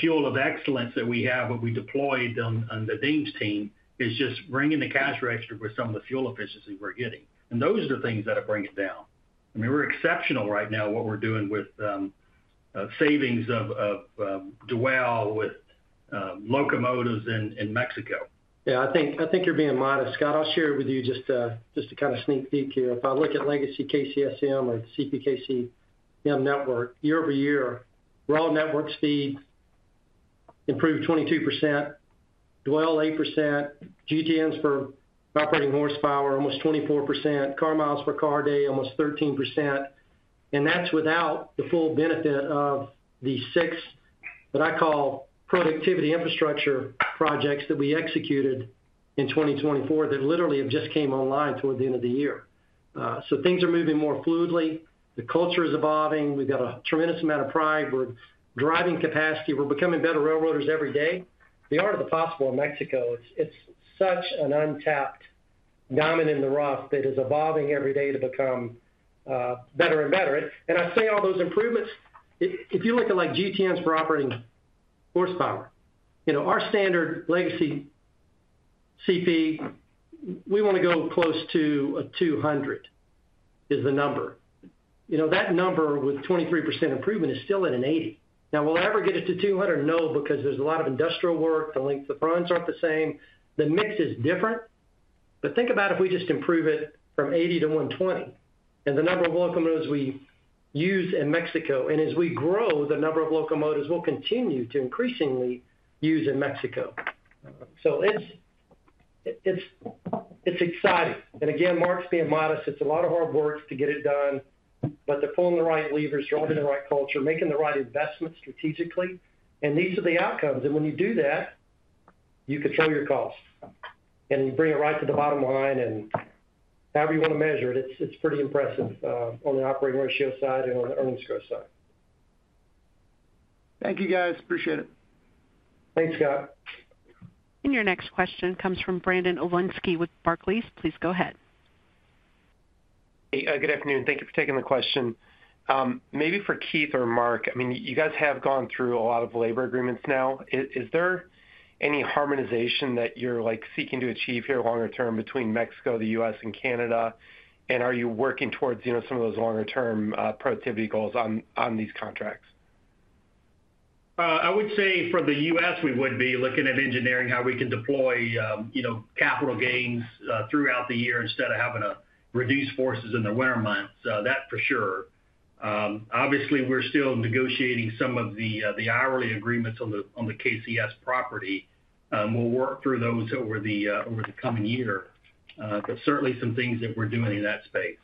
fuel efficiency that we have, what we deployed on the Dean's team is just ringing the cash register with some of the fuel efficiency we're getting. And those are the things that'll bring it down. I mean, we're exceptional right now what we're doing with savings on dwell with locomotives in Mexico. Yeah, I think you're being modest, Scott. I'll share it with you just to kind of sneak peek here. If I look at legacy KCSM or CPKCM network, year over year, rail network speed improved 22%, dwell 8%, GTMs for operating horsepower almost 24%, car miles per car day almost 13%. And that's without the full benefit of the six that I call productivity infrastructure projects that we executed in 2024 that literally have just came online toward the end of the year. So things are moving more fluidly. The culture is evolving. We've got a tremendous amount of pride. We're driving capacity. We're becoming better railroaders every day. The art of the possible in Mexico, it's such an untapped diamond in the rough that is evolving every day to become better and better. And I say all those improvements. If you look at GTMs for operating horsepower, our standard legacy CP, we want to go close to a 200; that is the number. That number with 23% improvement is still at an 80. Now, will it ever get it to 200? No, because there's a lot of industrial work. The length of the fronts aren't the same. The mix is different. But think about if we just improve it from 80 to 120, and the number of locomotives we use in Mexico. And as we grow, the number of locomotives we'll continue to increasingly use in Mexico. So it's exciting. And again, Mark's being modest. It's a lot of hard work to get it done, but they're pulling the right levers, driving the right culture, making the right investments strategically. And these are the outcomes. And when you do that, you control your cost and bring it right to the bottom line. And however you want to measure it, it's pretty impressive on the operating ratio side and on the earnings growth side. Thank you, guys. Appreciate it. Thanks, Scott. Your next question comes from Brandon Oglenski with Barclays. Please go ahead. Hey, good afternoon. Thank you for taking the question. Maybe for Keith or Mark, I mean, you guys have gone through a lot of labor agreements now. Is there any harmonization that you're seeking to achieve here longer term between Mexico, the U.S., and Canada? And are you working towards some of those longer-term productivity goals on these contracts? I would say for the U.S., we would be looking at engineering how we can deploy capital gains throughout the year instead of having to reduce forces in the winter months. That for sure. Obviously, we're still negotiating some of the hourly agreements on the KCS property. We'll work through those over the coming year, but certainly some things that we're doing in that space.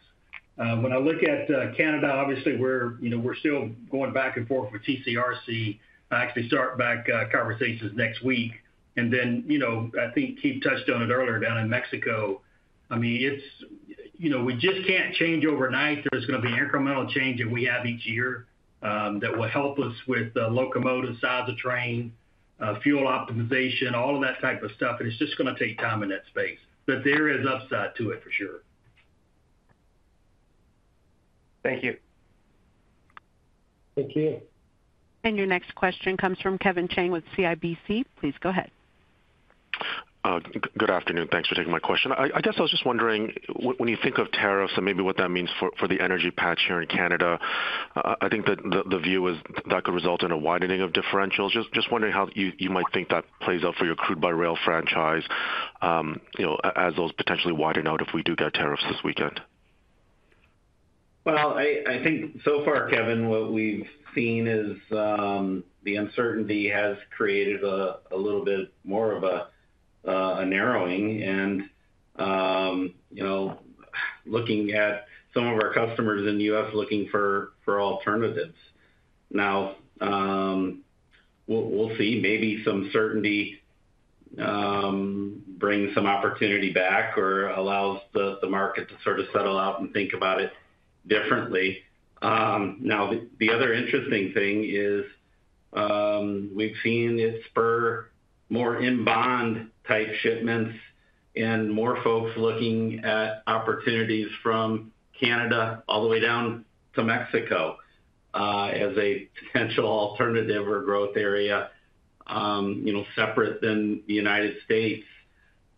When I look at Canada, obviously, we're still going back and forth with TCRC. I actually start back conversations next week. And then I think Keith touched on it earlier down in Mexico. I mean, we just can't change overnight. There's going to be incremental change that we have each year that will help us with locomotive size of train, fuel optimization, all of that type of stuff. And it's just going to take time in that space but there is upside to it for sure. Thank you. Thank you. And your next question comes from Kevin Chiang with CIBC. Please go ahead. Good afternoon. Thanks for taking my question. I guess I was just wondering, when you think of tariffs and maybe what that means for the energy patch here in Canada, I think that the view is that could result in a widening of differentials. Just wondering how you might think that plays out for your crude by rail franchise as those potentially widen out if we do get tariffs this weekend? I think so far, Kevin, what we've seen is the uncertainty has created a little bit more of a narrowing, and looking at some of our customers in the U.S. looking for alternatives. Now, we'll see. Maybe some certainty brings some opportunity back or allows the market to sort of settle out and think about it differently. Now, the other interesting thing is we've seen it spur more in-bond type shipments and more folks looking at opportunities from Canada all the way down to Mexico as a potential alternative or growth area separate than the United States.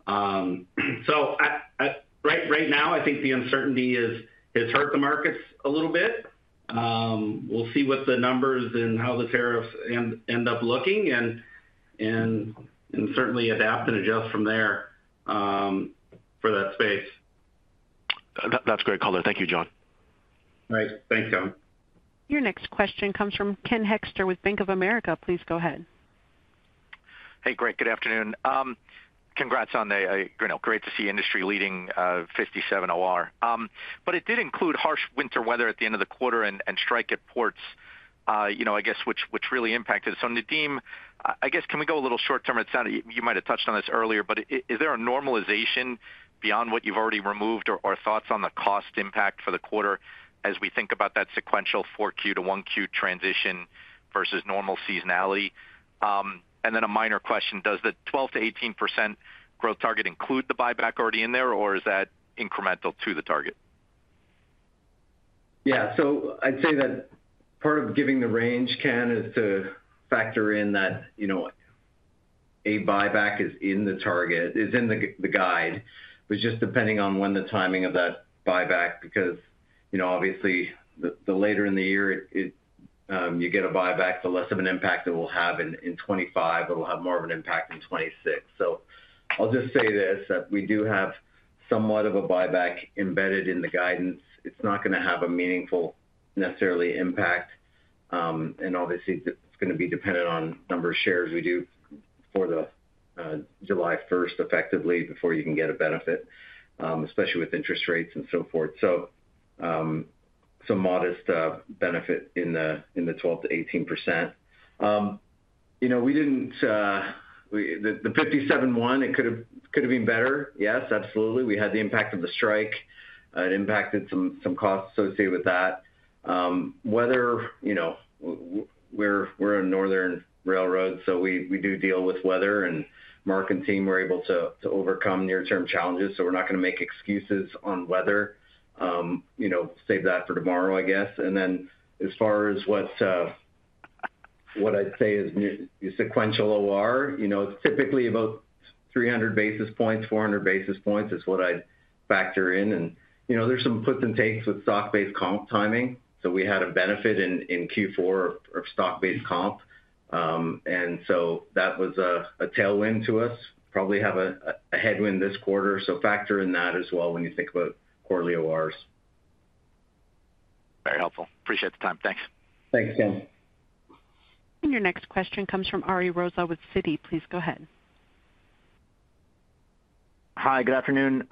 Right now, I think the uncertainty has hurt the markets a little bit. We'll see what the numbers and how the tariffs end up looking and certainly adapt and adjust from there for that space. That's great, Colin. Thank you, John. All right. Thanks, John. Your next question comes from Ken Hoexter with Bank of America. Please go ahead. Hey, guys. Good afternoon. Congrats on the great to see industry-leading 57 OR. But it did include harsh winter weather at the end of the quarter and strike at ports, I guess, which really impacted it. So Nadeem, I guess, can we go a little short-term? You might have touched on this earlier, but is there a normalization beyond what you've already removed or thoughts on the cost impact for the quarter as we think about that sequential 4Q to 1Q transition versus normal seasonality? And then a minor question, does the 12%-18% growth target include the buyback already in there, or is that incremental to the target? Yeah. So I'd say that part of giving the range, Ken, is to factor in that a buyback is in the target, is in the guide. It was just depending on when the timing of that buyback because, obviously, the later in the year you get a buyback, the less of an impact it will have in 2025. It'll have more of an impact in 2026. So I'll just say this, that we do have somewhat of a buyback embedded in the guidance. It's not going to have a meaningful necessarily impact. And obviously, it's going to be dependent on number of shares we do for the July 1st effectively before you can get a benefit, especially with interest rates and so forth. So modest benefit in the 12%-18%. We didn't hit the 57.1, it could have been better. Yes, absolutely. We had the impact of the strike. It impacted some costs associated with that. Whether we're a northern railroad, so we do deal with weather. And Mark and team were able to overcome near-term challenges. So we're not going to make excuses on weather. Save that for tomorrow, I guess. And then as far as what I'd say is sequential OR, it's typically about 300 basis points, 400 basis points is what I'd factor in. And there's some puts and takes with stock-based comp timing. So we had a benefit in Q4 of stock-based comp. And so that was a tailwind to us. Probably have a headwind this quarter. So factor in that as well when you think about quarterly ORs. Very helpful. Appreciate the time. Thanks. Thanks, Ken. And your next question comes from Ari Rosa with Citi. Please go ahead. Hi, good afternoon.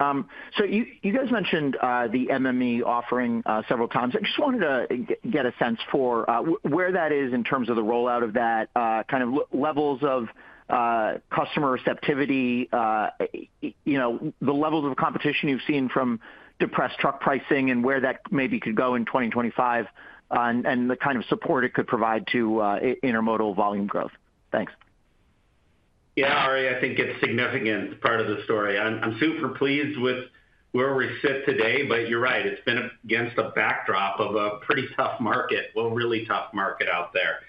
So you guys mentioned the MMX offering several times. I just wanted to get a sense for where that is in terms of the rollout of that, kind of levels of customer receptivity, the levels of competition you've seen from depressed truck pricing and where that maybe could go in 2025, and the kind of support it could provide to intermodal volume growth. Thanks. Yeah, Ari, I think it's a significant part of the story. I'm super pleased with where we sit today, but you're right. It's been against a backdrop of a pretty tough market, a really tough market out there.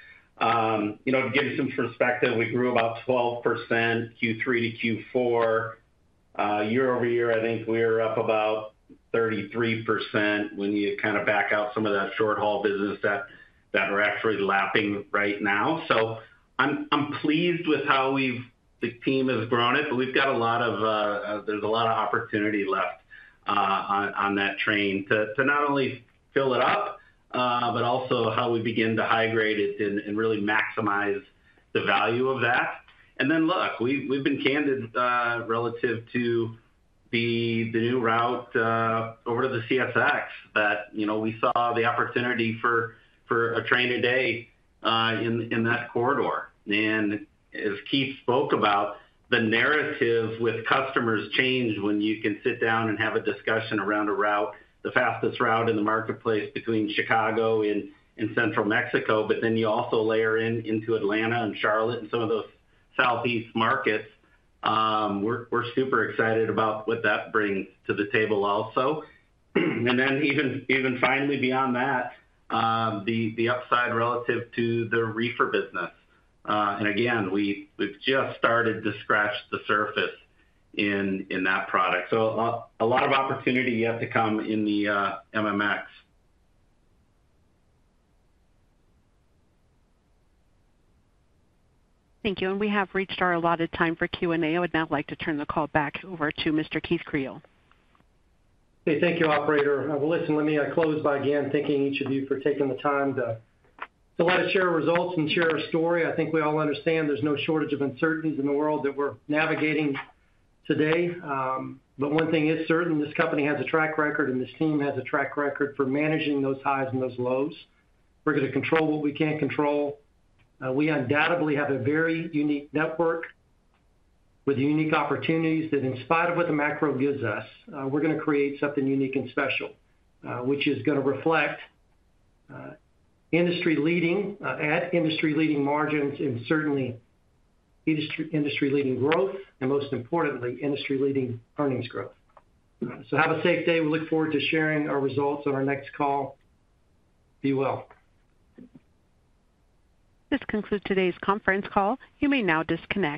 To give you some perspective, we grew about 12% Q3 to Q4. Year over year, I think we were up about 33% when you kind of back out some of that short-haul business that we're actually lapping right now. So I'm pleased with how the team has grown it, but we've got a lot of opportunity left on that train to not only fill it up, but also how we begin to high-grade it and really maximize the value of that. And then, look, we've been candid relative to the new route over to the CSX that we saw the opportunity for a train a day in that corridor. And as Keith spoke about, the narrative with customers changed when you can sit down and have a discussion around a route, the fastest route in the marketplace between Chicago and central Mexico, but then you also layer into Atlanta and Charlotte and some of those southeast markets. We're super excited about what that brings to the table also. And then even finally beyond that, the upside relative to the reefer business. And again, we've just started to scratch the surface in that product. So a lot of opportunity yet to come in the MMX. Thank you, and we have reached our allotted time for Q&A. I would now like to turn the call back over to Mr. Keith Creel. Hey, thank you, Operator. Well, listen, let me close by, again, thanking each of you for taking the time to let us share results and share our story. I think we all understand there's no shortage of uncertainties in the world that we're navigating today. But one thing is certain, this company has a track record, and this team has a track record for managing those highs and those lows. We're going to control what we can't control. We undoubtedly have a very unique network with unique opportunities that, in spite of what the macro gives us, we're going to create something unique and special, which is going to reflect industry-leading at industry-leading margins and certainly industry-leading growth and, most importantly, industry-leading earnings growth. So have a safe day. We look forward to sharing our results on our next call. Be well. This concludes today's conference call. You may now disconnect.